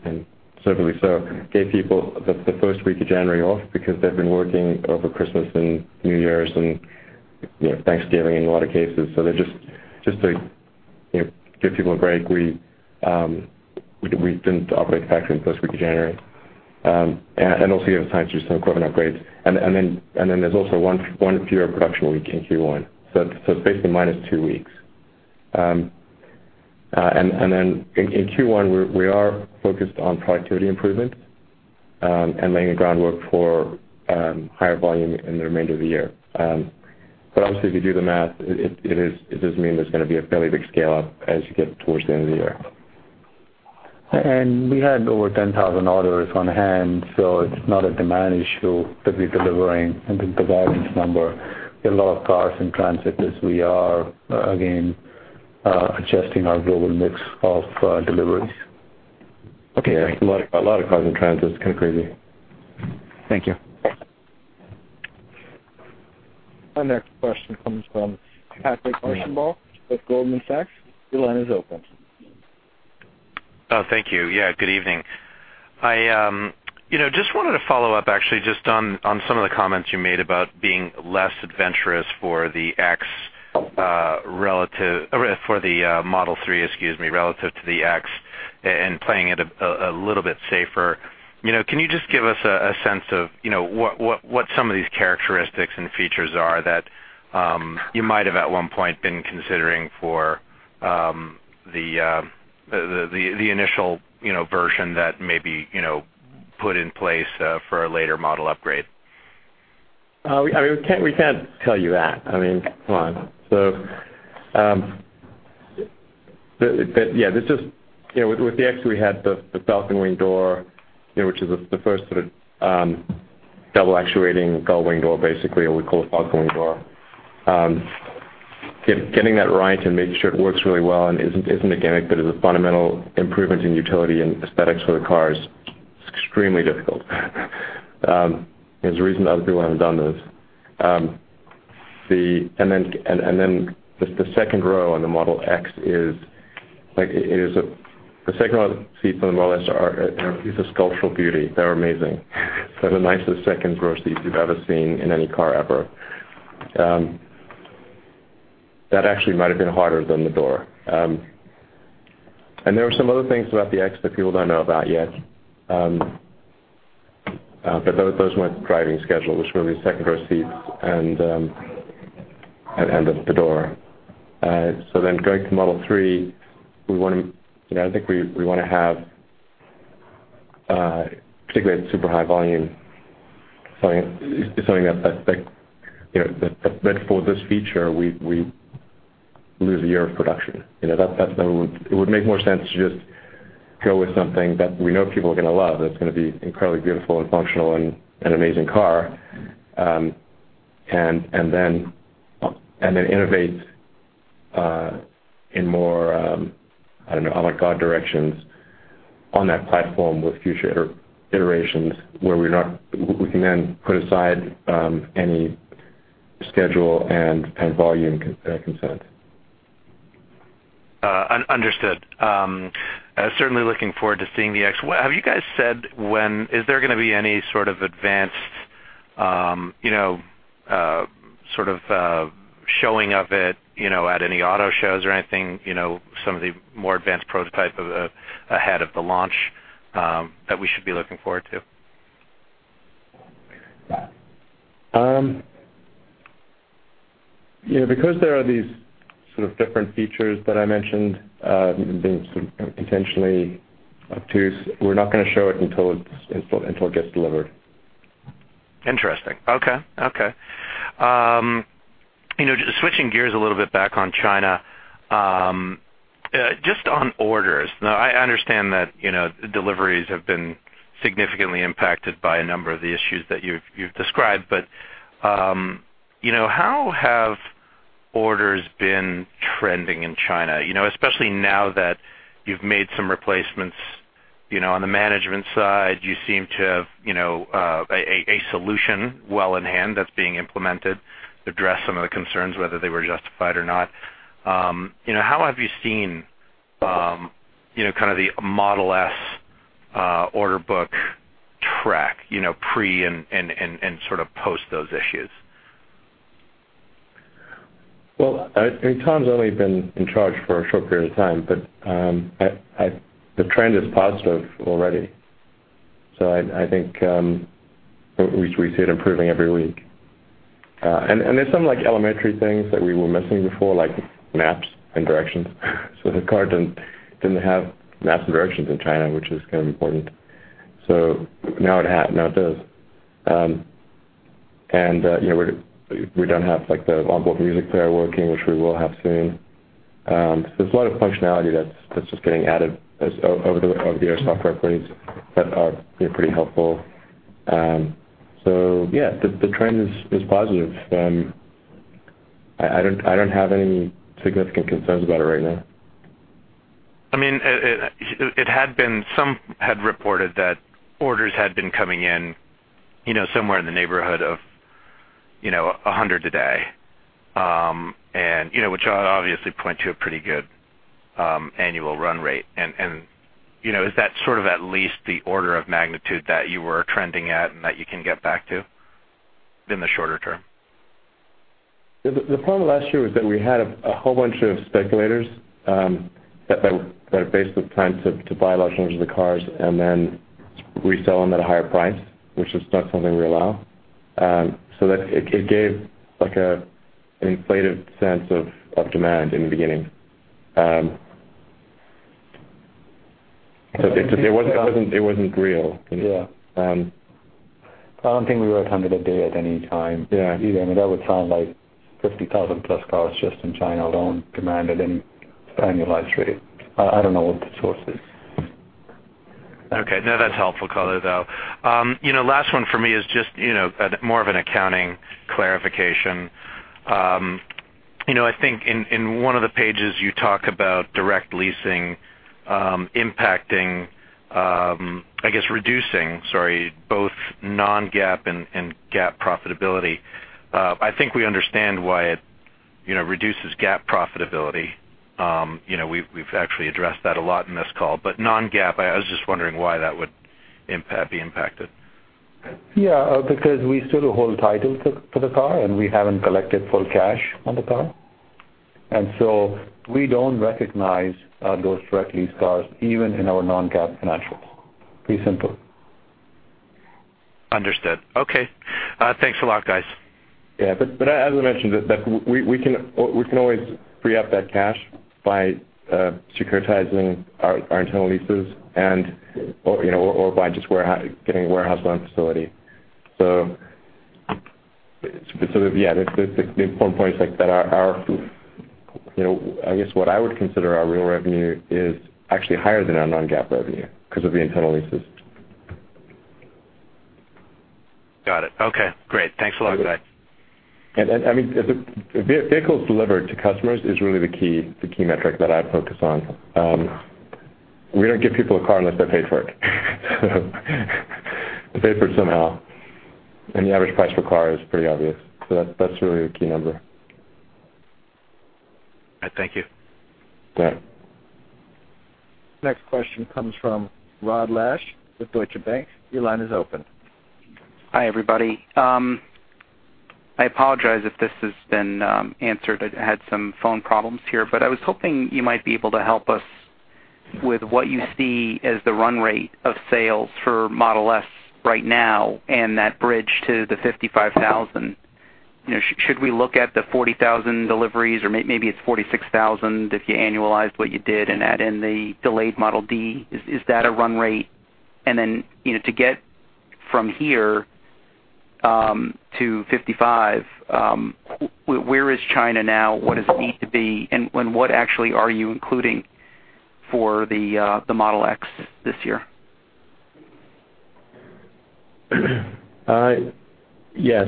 Speaker 5: and certainly so, gave people the first week of January off because they've been working over Christmas and New Year's and Thanksgiving in a lot of cases. They just give people a break. We didn't operate the factory the first week of January. Also, you have time to do some equipment upgrades. There's also one fewer production week in Q1. It's basically minus two weeks. In Q1, we are focused on productivity improvement and laying the groundwork for higher volume in the remainder of the year. Obviously, if you do the math, it does mean there's going to be a fairly big scale-up as you get towards the end of the year.
Speaker 4: We had over 10,000 orders on hand, so it's not a demand issue that we're delivering the guidance number. We have a lot of cars in transit as we are, again, adjusting our global mix of deliveries.
Speaker 5: Okay, thanks.
Speaker 4: A lot of cars in transit. It's kind of crazy.
Speaker 5: Thank you.
Speaker 1: Our next question comes from Patrick Archambault with Goldman Sachs. Your line is open.
Speaker 12: Thank you. Good evening. I just wanted to follow up, actually, just on some of the comments you made about being less adventurous for the Model 3, relative to the X, and playing it a little bit safer. Can you just give us a sense of what some of these characteristics and features are that you might have, at one point, been considering for the initial version that maybe put in place for a later model upgrade?
Speaker 5: We can't tell you that. Come on. With the X, we had the Falcon Wing door, which is the first double-actuating gull-wing door, basically, or we call it a Falcon Wing door. Getting that right and making sure it works really well and isn't a gimmick, but is a fundamental improvement in utility and aesthetics for the car is extremely difficult. There's a reason other people haven't done this. The second row on the Model X, the second-row seats on the Model X are a piece of sculptural beauty. They're amazing. They're the nicest second-row seats you've ever seen in any car, ever. That actually might have been harder than the door. There were some other things about the X that people don't know about yet. Those weren't driving the schedule, it was really second-row seats and the door. Going to Model 3, I think we want to have, particularly at super high volume, something that for this feature, we lose a year of production. It would make more sense to just go with something that we know people are going to love, that's going to be incredibly beautiful and functional and an amazing car. Innovate in more, I don't know, "Oh my God" directions on that platform with future iterations, where we can then put aside any schedule and volume concerns.
Speaker 12: Understood. Certainly looking forward to seeing the X. Is there going to be any sort of advanced showing of it at any auto shows or anything, some of the more advanced prototypes ahead of the launch that we should be looking forward to?
Speaker 5: There are these sort of different features that I mentioned being intentionally obtuse, we're not going to show it until it gets delivered.
Speaker 12: Interesting. Okay. Switching gears a little bit back on China, just on orders. I understand that deliveries have been significantly impacted by a number of the issues that you've described, how have orders been trending in China? Especially now that you've made some replacements on the management side. You seem to have a solution well in hand that's being implemented to address some of the concerns, whether they were justified or not. How have you seen the Model S order book track, pre- and sort of post those issues?
Speaker 5: Tom's only been in charge for a short period of time, the trend is positive already. I think we see it improving every week. There's some elementary things that we were missing before, like maps and directions. The car didn't have maps and directions in China, which is kind of important. Now it does. We don't have the onboard music player working, which we will have soon. There's a lot of functionality that's just getting added over the air software updates that are pretty helpful. Yeah, the trend is positive. I don't have any significant concerns about it right now.
Speaker 12: Some had reported that orders had been coming in somewhere in the neighborhood of 100 a day, which obviously point to a pretty good annual run rate. Is that sort of at least the order of magnitude that you were trending at and that you can get back to? In the shorter term.
Speaker 5: The problem last year was that we had a whole bunch of speculators that basically planned to buy large numbers of the cars and then resell them at a higher price, which is not something we allow. It gave an inflated sense of demand in the beginning. It wasn't real.
Speaker 12: Yeah.
Speaker 5: I don't think we were at 100 a day at any time.
Speaker 12: Yeah.
Speaker 5: Either. That would sound like 50,000-plus cars just in China alone demanded an annualized rate. I don't know what the source is.
Speaker 12: Okay. No, that's helpful color, though. Last one for me is just more of an accounting clarification. I think in one of the pages, you talk about direct leasing impacting, I guess reducing, sorry, both non-GAAP and GAAP profitability. I think we understand why it reduces GAAP profitability. We've actually addressed that a lot in this call. Non-GAAP, I was just wondering why that would be impacted.
Speaker 5: Because we still hold title to the car, and we haven't collected full cash on the car. We don't recognize those direct lease cars even in our non-GAAP financials. Pretty simple.
Speaker 12: Understood. Okay. Thanks a lot, guys.
Speaker 5: As I mentioned, we can always free up that cash by securitizing our internal leases or by just getting a warehouse line facility. The important point is that, I guess what I would consider our real revenue is actually higher than our non-GAAP revenue because of the internal leases.
Speaker 12: Got it. Okay, great. Thanks a lot, guys.
Speaker 5: Vehicles delivered to customers is really the key metric that I focus on. We don't give people a car unless they've paid for it. They pay for it somehow, and the average price per car is pretty obvious. That's really a key number.
Speaker 12: All right. Thank you.
Speaker 5: Yeah.
Speaker 1: Next question comes from Rod Lache with Deutsche Bank. Your line is open.
Speaker 13: Hi, everybody. I apologize if this has been answered. I had some phone problems here, but I was hoping you might be able to help us with what you see as the run rate of sales for Model S right now and that bridge to the 55,000. Should we look at the 40,000 deliveries, or maybe it's 46,000 if you annualized what you did and add in the delayed Model D? Is that a run rate? Then, to get from here to 55,000, where is China now? What does it need to be? What actually are you including for the Model X this year?
Speaker 5: Yes.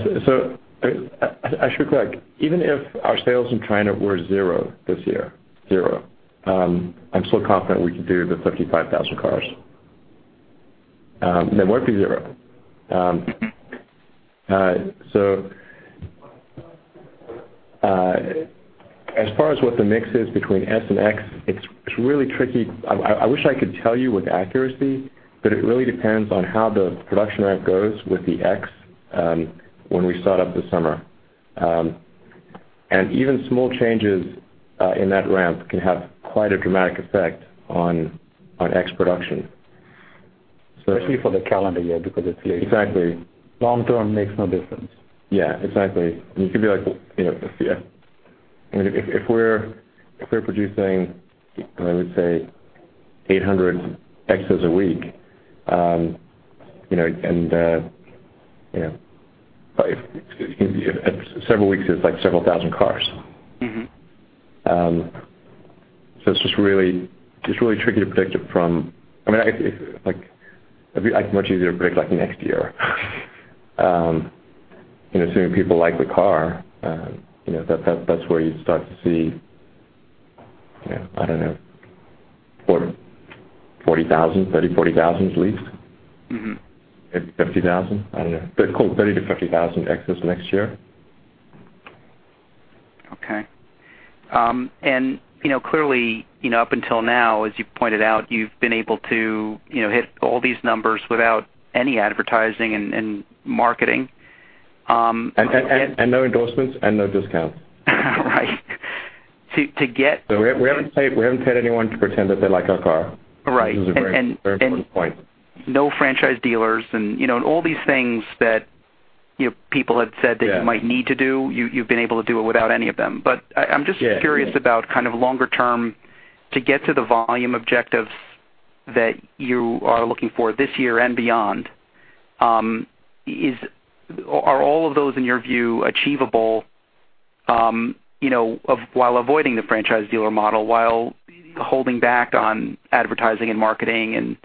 Speaker 5: I should correct, even if our sales in China were zero this year, zero, I'm still confident we could do the 55,000 cars. They won't be zero. As far as what the mix is between S and X, it's really tricky. I wish I could tell you with accuracy, but it really depends on how the production ramp goes with the X when we start up this summer. Even small changes in that ramp can have quite a dramatic effect on X production.
Speaker 13: Especially for the calendar year because it's late.
Speaker 5: Exactly.
Speaker 13: Long-term makes no difference.
Speaker 5: Yeah, exactly. If we're producing, I would say 800 Xs a week, several weeks is like several thousand cars. It's just really tricky to predict it. It'd be much easier to predict next year. Assuming people like the car, that's where you'd start to see, I don't know, 30,000, 40,000 at least. 50,000. I don't know. Quote 30,000 to 50,000 Xs next year.
Speaker 13: Okay. Clearly, up until now, as you've pointed out, you've been able to hit all these numbers without any advertising and marketing.
Speaker 5: No endorsements and no discounts.
Speaker 13: Right.
Speaker 5: We haven't paid anyone to pretend that they like our car.
Speaker 13: Right.
Speaker 5: Which is a very important point.
Speaker 13: No franchise dealers.
Speaker 5: Yeah
Speaker 13: that you might need to do, you've been able to do it without any of them.
Speaker 5: Yeah
Speaker 13: I'm curious about longer-term, to get to the volume objectives that you are looking for this year and beyond, are all of those, in your view, achievable while avoiding the franchise dealer model, while holding back on advertising and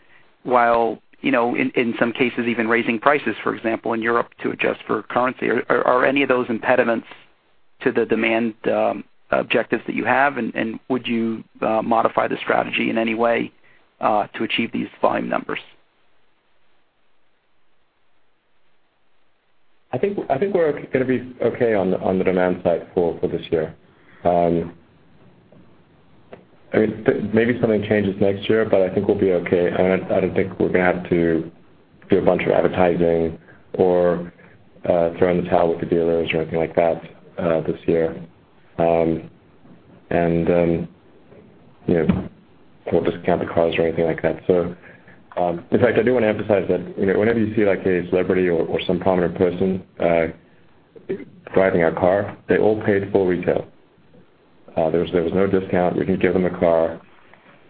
Speaker 13: marketing and while, in some cases, even raising prices, for example, in Europe to adjust for currency? Are any of those impediments to the demand objectives that you have, and would you modify the strategy in any way to achieve these volume numbers?
Speaker 5: I think we're going to be okay on the demand side for this year. Maybe something changes next year, but I think we'll be okay. I don't think we're going to have to do a bunch of advertising or throw in the towel with the dealers or anything like that this year. We won't discount the cars or anything like that. In fact, I do want to emphasize that whenever you see a celebrity or some prominent person driving our car, they all paid full retail. There was no discount. We didn't give them the car.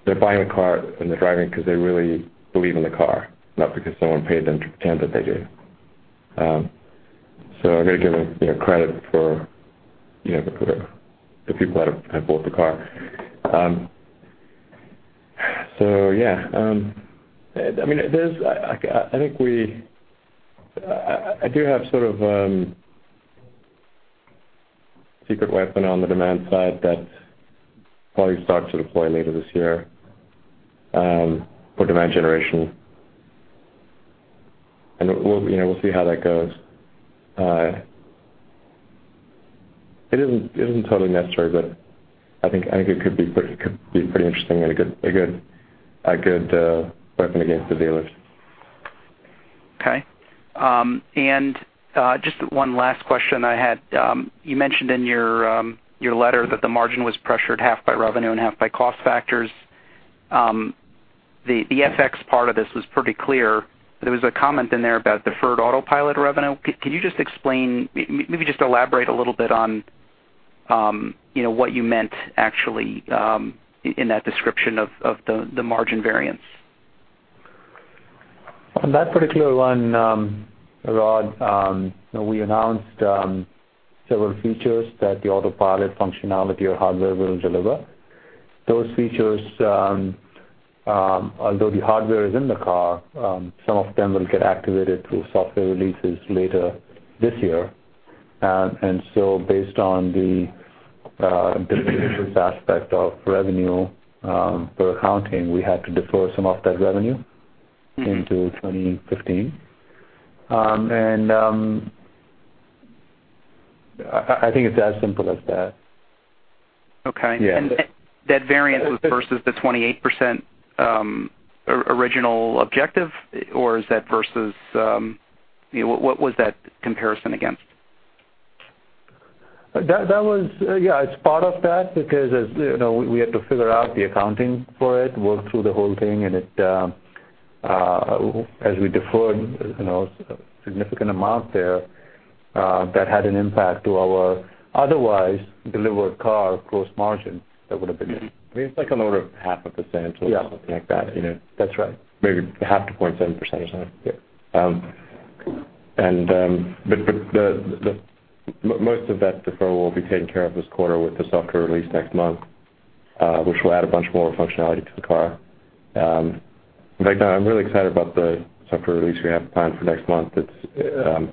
Speaker 5: They're buying the car and they're driving it because they really believe in the car, not because someone paid them to pretend that they do. I got to give credit for the people that have bought the car. I do have sort of a secret weapon on the demand side that probably starts to deploy later this year for demand generation. We'll see how that goes. It isn't totally necessary, but I think it could be pretty interesting and a good weapon against the dealers.
Speaker 13: Okay. Just one last question I had. You mentioned in your letter that the margin was pressured half by revenue and half by cost factors. The FX part of this was pretty clear, there was a comment in there about deferred Autopilot revenue. Can you just explain, maybe just elaborate a little bit on what you meant actually, in that description of the margin variance?
Speaker 4: On that particular one, Rod, we announced several features that the Autopilot functionality or hardware will deliver. Those features, although the hardware is in the car, some of them will get activated through software releases later this year. Based on the business aspect of revenue for accounting, we had to defer some of that revenue- into 2015. I think it's as simple as that.
Speaker 13: Okay.
Speaker 4: Yeah.
Speaker 13: That variance was versus the 28% original objective, or what was that comparison against?
Speaker 4: Yeah, it's part of that because, as you know, we had to figure out the accounting for it, work through the whole thing, and as we deferred a significant amount there, that had an impact to our otherwise delivered car gross margin that would have been-
Speaker 5: It's like on the order of half a % or-
Speaker 4: Yeah
Speaker 5: something like that.
Speaker 4: That's right.
Speaker 5: Maybe half to 0.7% or something.
Speaker 4: Yeah.
Speaker 5: Most of that deferral will be taken care of this quarter with the software release next month, which will add a bunch more functionality to the car. In fact, I'm really excited about the software release we have planned for next month. There's a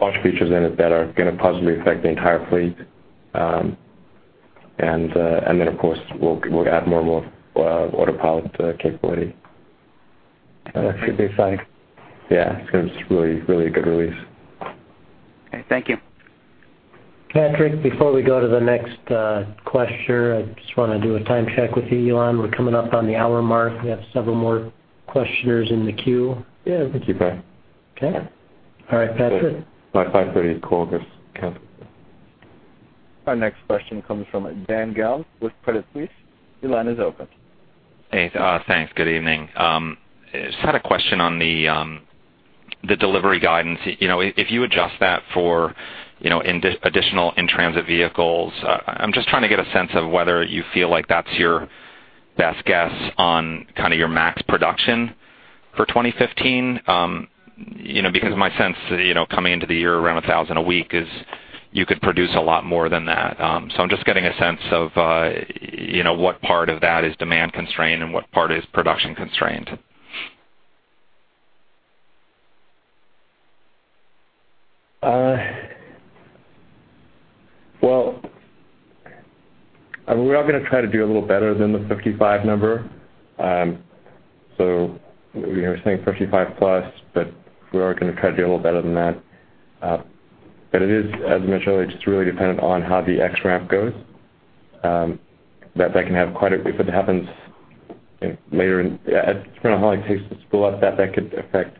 Speaker 5: bunch of features in it that are going to positively affect the entire fleet. Of course, we'll add more Autopilot capability.
Speaker 4: That should be exciting.
Speaker 5: Yeah, it's a really good release.
Speaker 13: Okay. Thank you.
Speaker 2: Patrick, before we go to the next questioner, I just want to do a time check with you, Elon. We're coming up on the hour mark. We have several more questioners in the queue.
Speaker 5: Yeah. Thank you, Pat.
Speaker 2: Okay. All right, Patrick.
Speaker 5: By 5:30 call this, okay?
Speaker 1: Our next question comes from Dan Galves with Credit Suisse. Your line is open.
Speaker 14: Hey. Thanks. Good evening. Just had a question on the delivery guidance. If you adjust that for additional in-transit vehicles, I'm just trying to get a sense of whether you feel like that's your best guess on your max production for 2015. My sense, coming into the year around 1,000 a week is you could produce a lot more than that. I'm just getting a sense of what part of that is demand-constrained and what part is production-constrained.
Speaker 5: We are going to try to do a little better than the 55 number. We are saying 55 plus, but we are going to try to do a little better than that. It is, as mentioned earlier, just really dependent on how the X ramp goes. If it happens later in, I don't know how long it takes to spool up, that could affect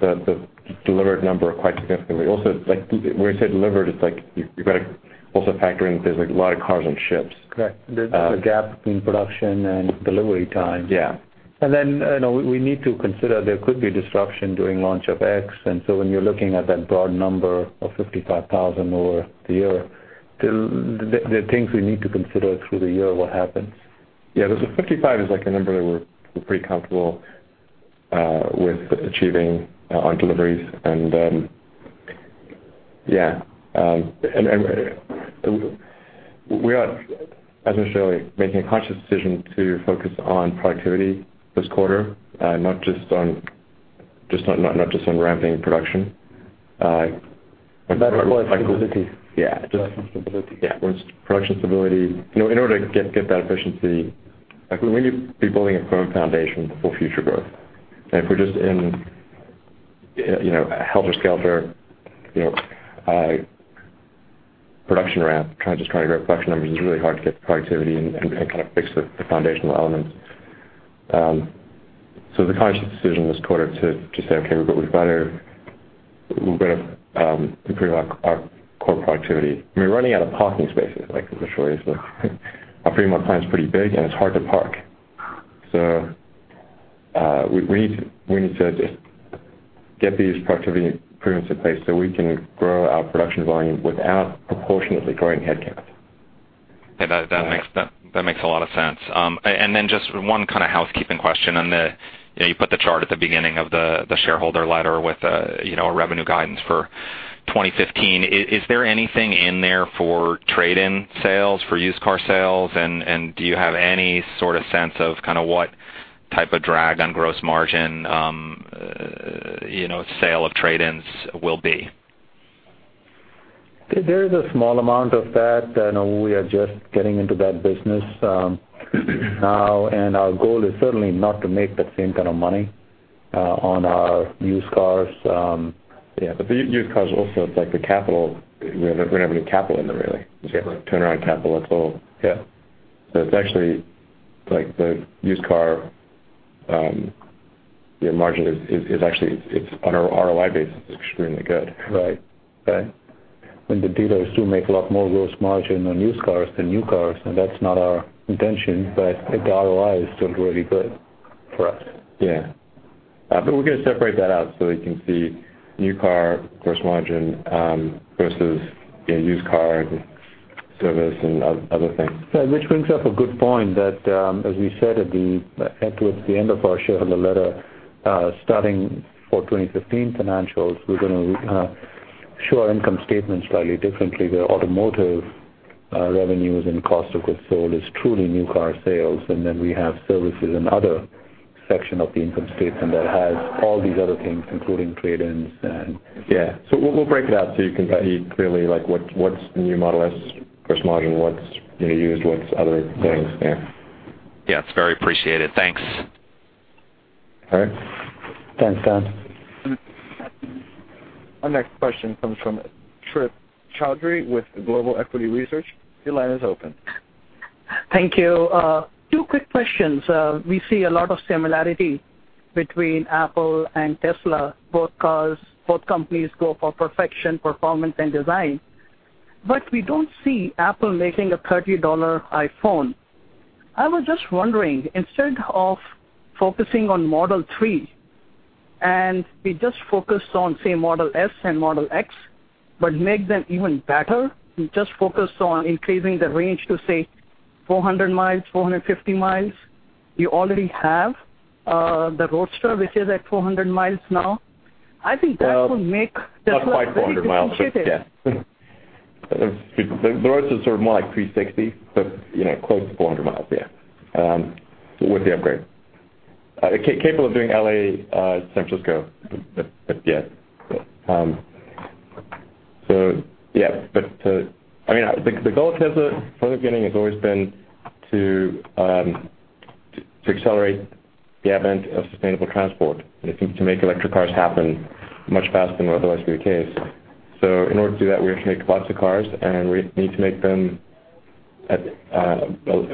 Speaker 5: the delivered number quite significantly. When we say delivered, you've got to also factor in that there's a lot of cars on ships.
Speaker 4: Correct. There's a gap between production and delivery time.
Speaker 5: Yeah.
Speaker 4: We need to consider there could be disruption during launch of Model X. When you're looking at that broad number of 55,000 over the year, there are things we need to consider through the year what happens.
Speaker 5: The 55 is, like, a number that we're pretty comfortable with achieving on deliveries. We are, as mentioned earlier, making a conscious decision to focus on productivity this quarter, not just on ramping production.
Speaker 4: Better for stability.
Speaker 5: Yeah.
Speaker 4: Production stability.
Speaker 5: Yeah. Production stability. In order to get that efficiency, we need to be building a firm foundation for future growth. If we're just helter-skelter production ramp, just trying to grow production numbers. It's really hard to get productivity and fix the foundational elements. The conscious decision this quarter to say, "Okay, we've got to improve our core productivity." We're running out of parking spaces, like for sure. Our Fremont plant's pretty big, and it's hard to park. We need to get these productivity improvements in place so we can grow our production volume without proportionately growing headcount.
Speaker 14: Yeah, that makes a lot of sense. Just one kind of housekeeping question on the, you put the chart at the beginning of the shareholder letter with a revenue guidance for 2015. Is there anything in there for trade-in sales, for used car sales? Do you have any sort of sense of what type of drag on gross margin sale of trade-ins will be?
Speaker 4: There is a small amount of that. I know we are just getting into that business now, our goal is certainly not to make that same kind of money on our used cars.
Speaker 5: Yeah, the used cars also, it's like the capital. We don't have any capital in there, really.
Speaker 14: Yeah. Turnaround capital at all. Yeah. It's actually, the used car margin is actually, on an ROI basis, extremely good. Right.
Speaker 5: Right.
Speaker 4: The dealers do make a lot more gross margin on used cars than new cars, and that's not our intention. The ROI is still really good for us.
Speaker 5: Yeah. We're going to separate that out so we can see new car gross margin versus used car and service and other things.
Speaker 4: Yeah, which brings up a good point that, as we said towards the end of our shareholder letter, starting for 2015 financials, we're going to show our income statement slightly differently, where automotive revenues and cost of goods sold is truly new car sales, and then we have services and other section of the income statement that has all these other things, including trade-ins.
Speaker 5: Yeah. We'll break it out so you can see clearly what's the new Model S gross margin, what's used, what's other things. Yeah.
Speaker 14: Yeah, it's very appreciated. Thanks.
Speaker 5: All right.
Speaker 4: Thanks, Dan.
Speaker 1: Our next question comes from Trip Chowdhry with Global Equities Research. Your line is open.
Speaker 15: Thank you. Two quick questions. We see a lot of similarity between Apple and Tesla. Both cars, both companies go for perfection, performance, and design. We don't see Apple making a $30 iPhone. I was just wondering, instead of focusing on Model 3, and we just focus on, say, Model S and Model X, but make them even better. We just focus on increasing the range to, say, 400 miles, 450 miles. You already have the Roadster, which is at 400 miles now. I think that will make Tesla a very competitive-
Speaker 5: Not quite 400 miles. The Roadster's sort of more like 360, close to 400 miles with the upgrade. Capable of doing L.A. to San Francisco. The goal of Tesla from the beginning has always been to accelerate the advent of sustainable transport and to make electric cars happen much faster than would otherwise be the case. In order to do that, we have to make lots of cars, and we need to make them a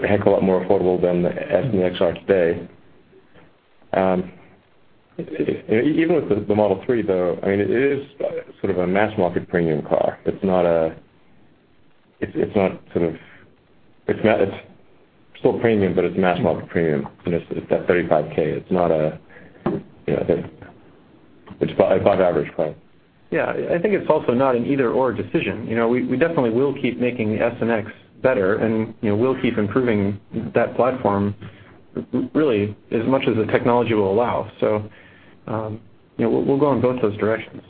Speaker 5: heck of a lot more affordable than the Model S and the Model X are today. Even with the Model 3, though, it is sort of a mass-market premium car. It's still premium, but it's mass-market premium, and it's that $35k. It's above average price.
Speaker 9: I think it's also not an either/or decision. We definitely will keep making the Model S and Model X better, and we'll keep improving that platform really as much as the technology will allow. We'll go in both those directions.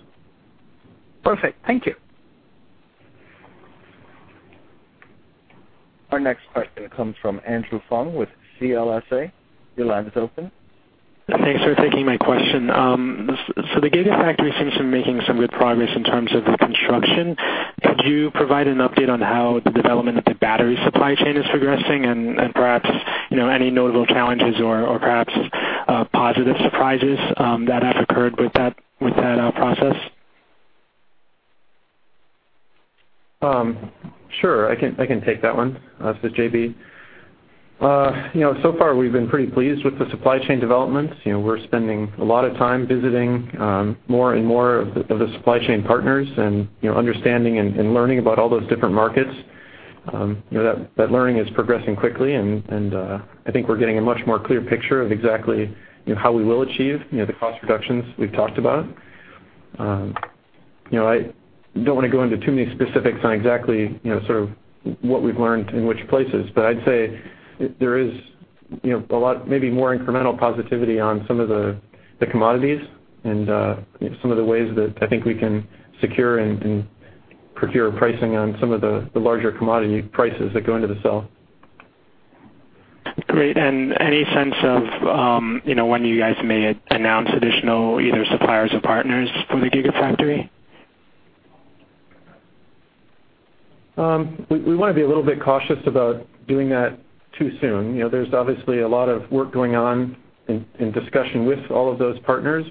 Speaker 15: Perfect. Thank you.
Speaker 1: Our next question comes from Andrew Fung with CLSA. Your line is open.
Speaker 16: Thanks for taking my question. The Gigafactory seems to be making some good progress in terms of the construction. Could you provide an update on how the development of the battery supply chain is progressing and perhaps, any notable challenges or perhaps positive surprises that have occurred with that process?
Speaker 9: Sure, I can take that one. This is JB. So far, we've been pretty pleased with the supply chain developments. We're spending a lot of time visiting more and more of the supply chain partners and understanding and learning about all those different markets. That learning is progressing quickly, and I think we're getting a much more clear picture of exactly how we will achieve the cost reductions we've talked about. I don't want to go into too many specifics on exactly sort of what we've learned in which places. I'd say there is maybe more incremental positivity on some of the commodities and some of the ways that I think we can secure and procure pricing on some of the larger commodity prices that go into the cell.
Speaker 16: Great. Any sense of when you guys may announce additional either suppliers or partners for the Gigafactory?
Speaker 5: We want to be a little bit cautious about doing that too soon. There's obviously a lot of work going on and discussion with all of those partners,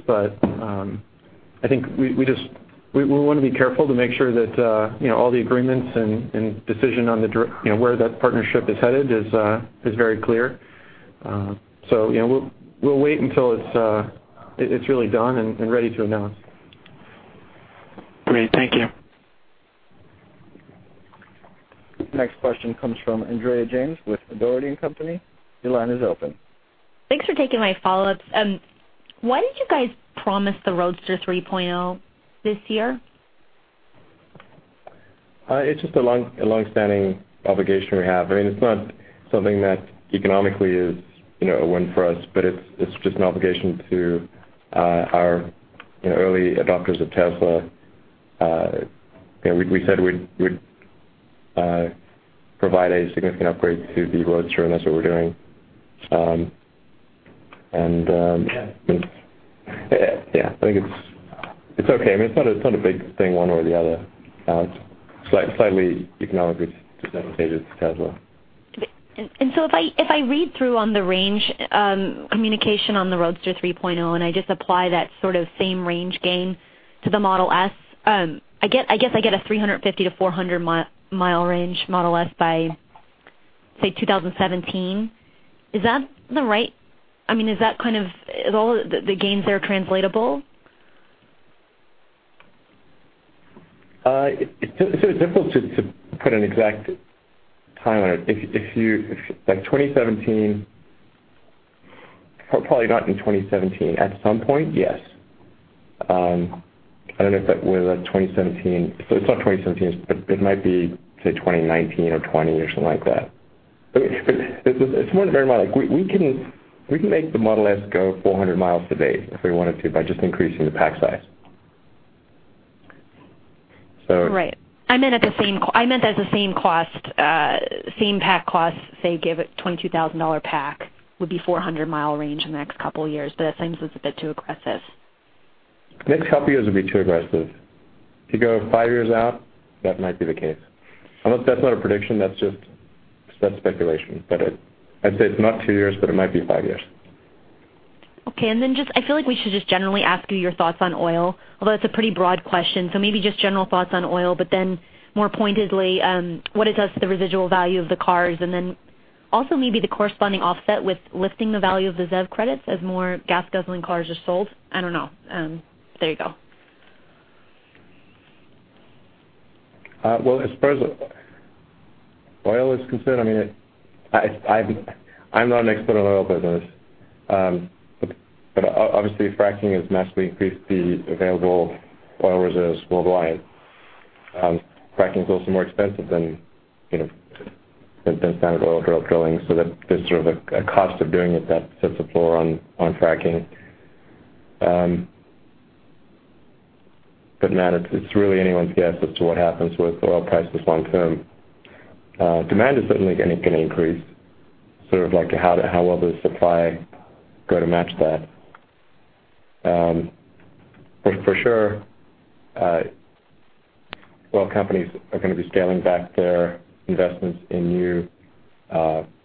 Speaker 5: I think we want to be careful to make sure that all the agreements and decision on where that partnership is headed is very clear. We'll wait until it's really done and ready to announce.
Speaker 16: Great. Thank you.
Speaker 1: Next question comes from Andrea James with Dougherty & Company. Your line is open.
Speaker 3: Thanks for taking my follow-ups. Why did you guys promise the Roadster 3.0 this year?
Speaker 5: It's just a long-standing obligation we have. It's not something that economically is a win for us, but it's just an obligation to our early adopters of Tesla. We said we'd provide a significant upgrade to the Roadster, and that's what we're doing. Yeah. I think it's okay. It's not a big thing one way or the other. Slightly economically disadvantaged to Tesla.
Speaker 3: If I read through on the range communication on the Roadster 3.0, and I just apply that sort of same range gain to the Model S, I guess I get a 350-400-mile range Model S by, say, 2017. Are all the gains there translatable?
Speaker 5: It's sort of difficult to put an exact timeline on it. Probably not in 2017. At some point, yes. I don't know if that was 2017, so it's not 2017, but it might be, say, 2019 or 2020 or something like that. Just bear in mind, we can make the Model S go 400 miles today if we wanted to, by just increasing the pack size.
Speaker 3: Right. I meant at the same pack cost, say, give it a $22,000 pack, would be 400-mile range in the next couple of years, but it seems it's a bit too aggressive.
Speaker 5: The next couple of years would be too aggressive. If you go five years out, that might be the case. That's not a prediction, that's just speculation. I'd say it's not two years, but it might be five years.
Speaker 3: Okay, I feel like we should just generally ask you your thoughts on oil, although it's a pretty broad question, so maybe just general thoughts on oil, but more pointedly, what it does to the residual value of the cars, also maybe the corresponding offset with lifting the value of the ZEV credits as more gas-guzzling cars are sold. I don't know. There you go.
Speaker 5: Well, as far as oil is concerned, I'm no expert on oil business. Obviously, fracking has massively increased the available oil reserves worldwide. Fracking's also more expensive than standard oil drilling, there's sort of a cost of doing it that sets a floor on fracking. Now it's really anyone's guess as to what happens with oil prices long term. Demand is certainly going to increase. Sort of like how will the supply go to match that? For sure, oil companies are going to be scaling back their investments in new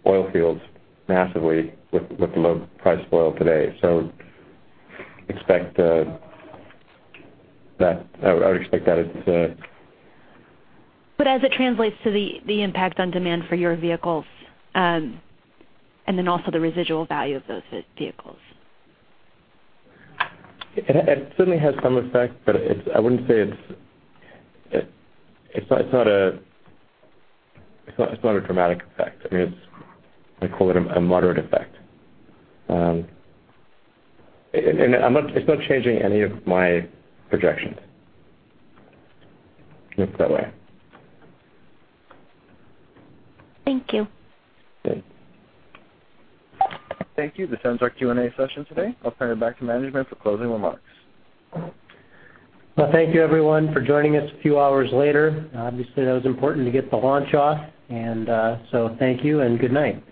Speaker 5: oil fields massively with the low price of oil today. I would expect that it's
Speaker 3: As it translates to the impact on demand for your vehicles, also the residual value of those vehicles.
Speaker 5: It certainly has some effect, but I wouldn't say it's not a dramatic effect. I call it a moderate effect. It's not changing any of my projections. Let's put it that way.
Speaker 3: Thank you.
Speaker 5: Okay.
Speaker 1: Thank you. This ends our Q&A session today. I'll turn it back to management for closing remarks.
Speaker 2: Well, thank you, everyone, for joining us a few hours later. Obviously, that was important to get the launch off, and so thank you and good night.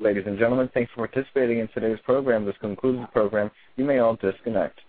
Speaker 1: Ladies and gentlemen, thanks for participating in today's program. This concludes the program. You may all disconnect.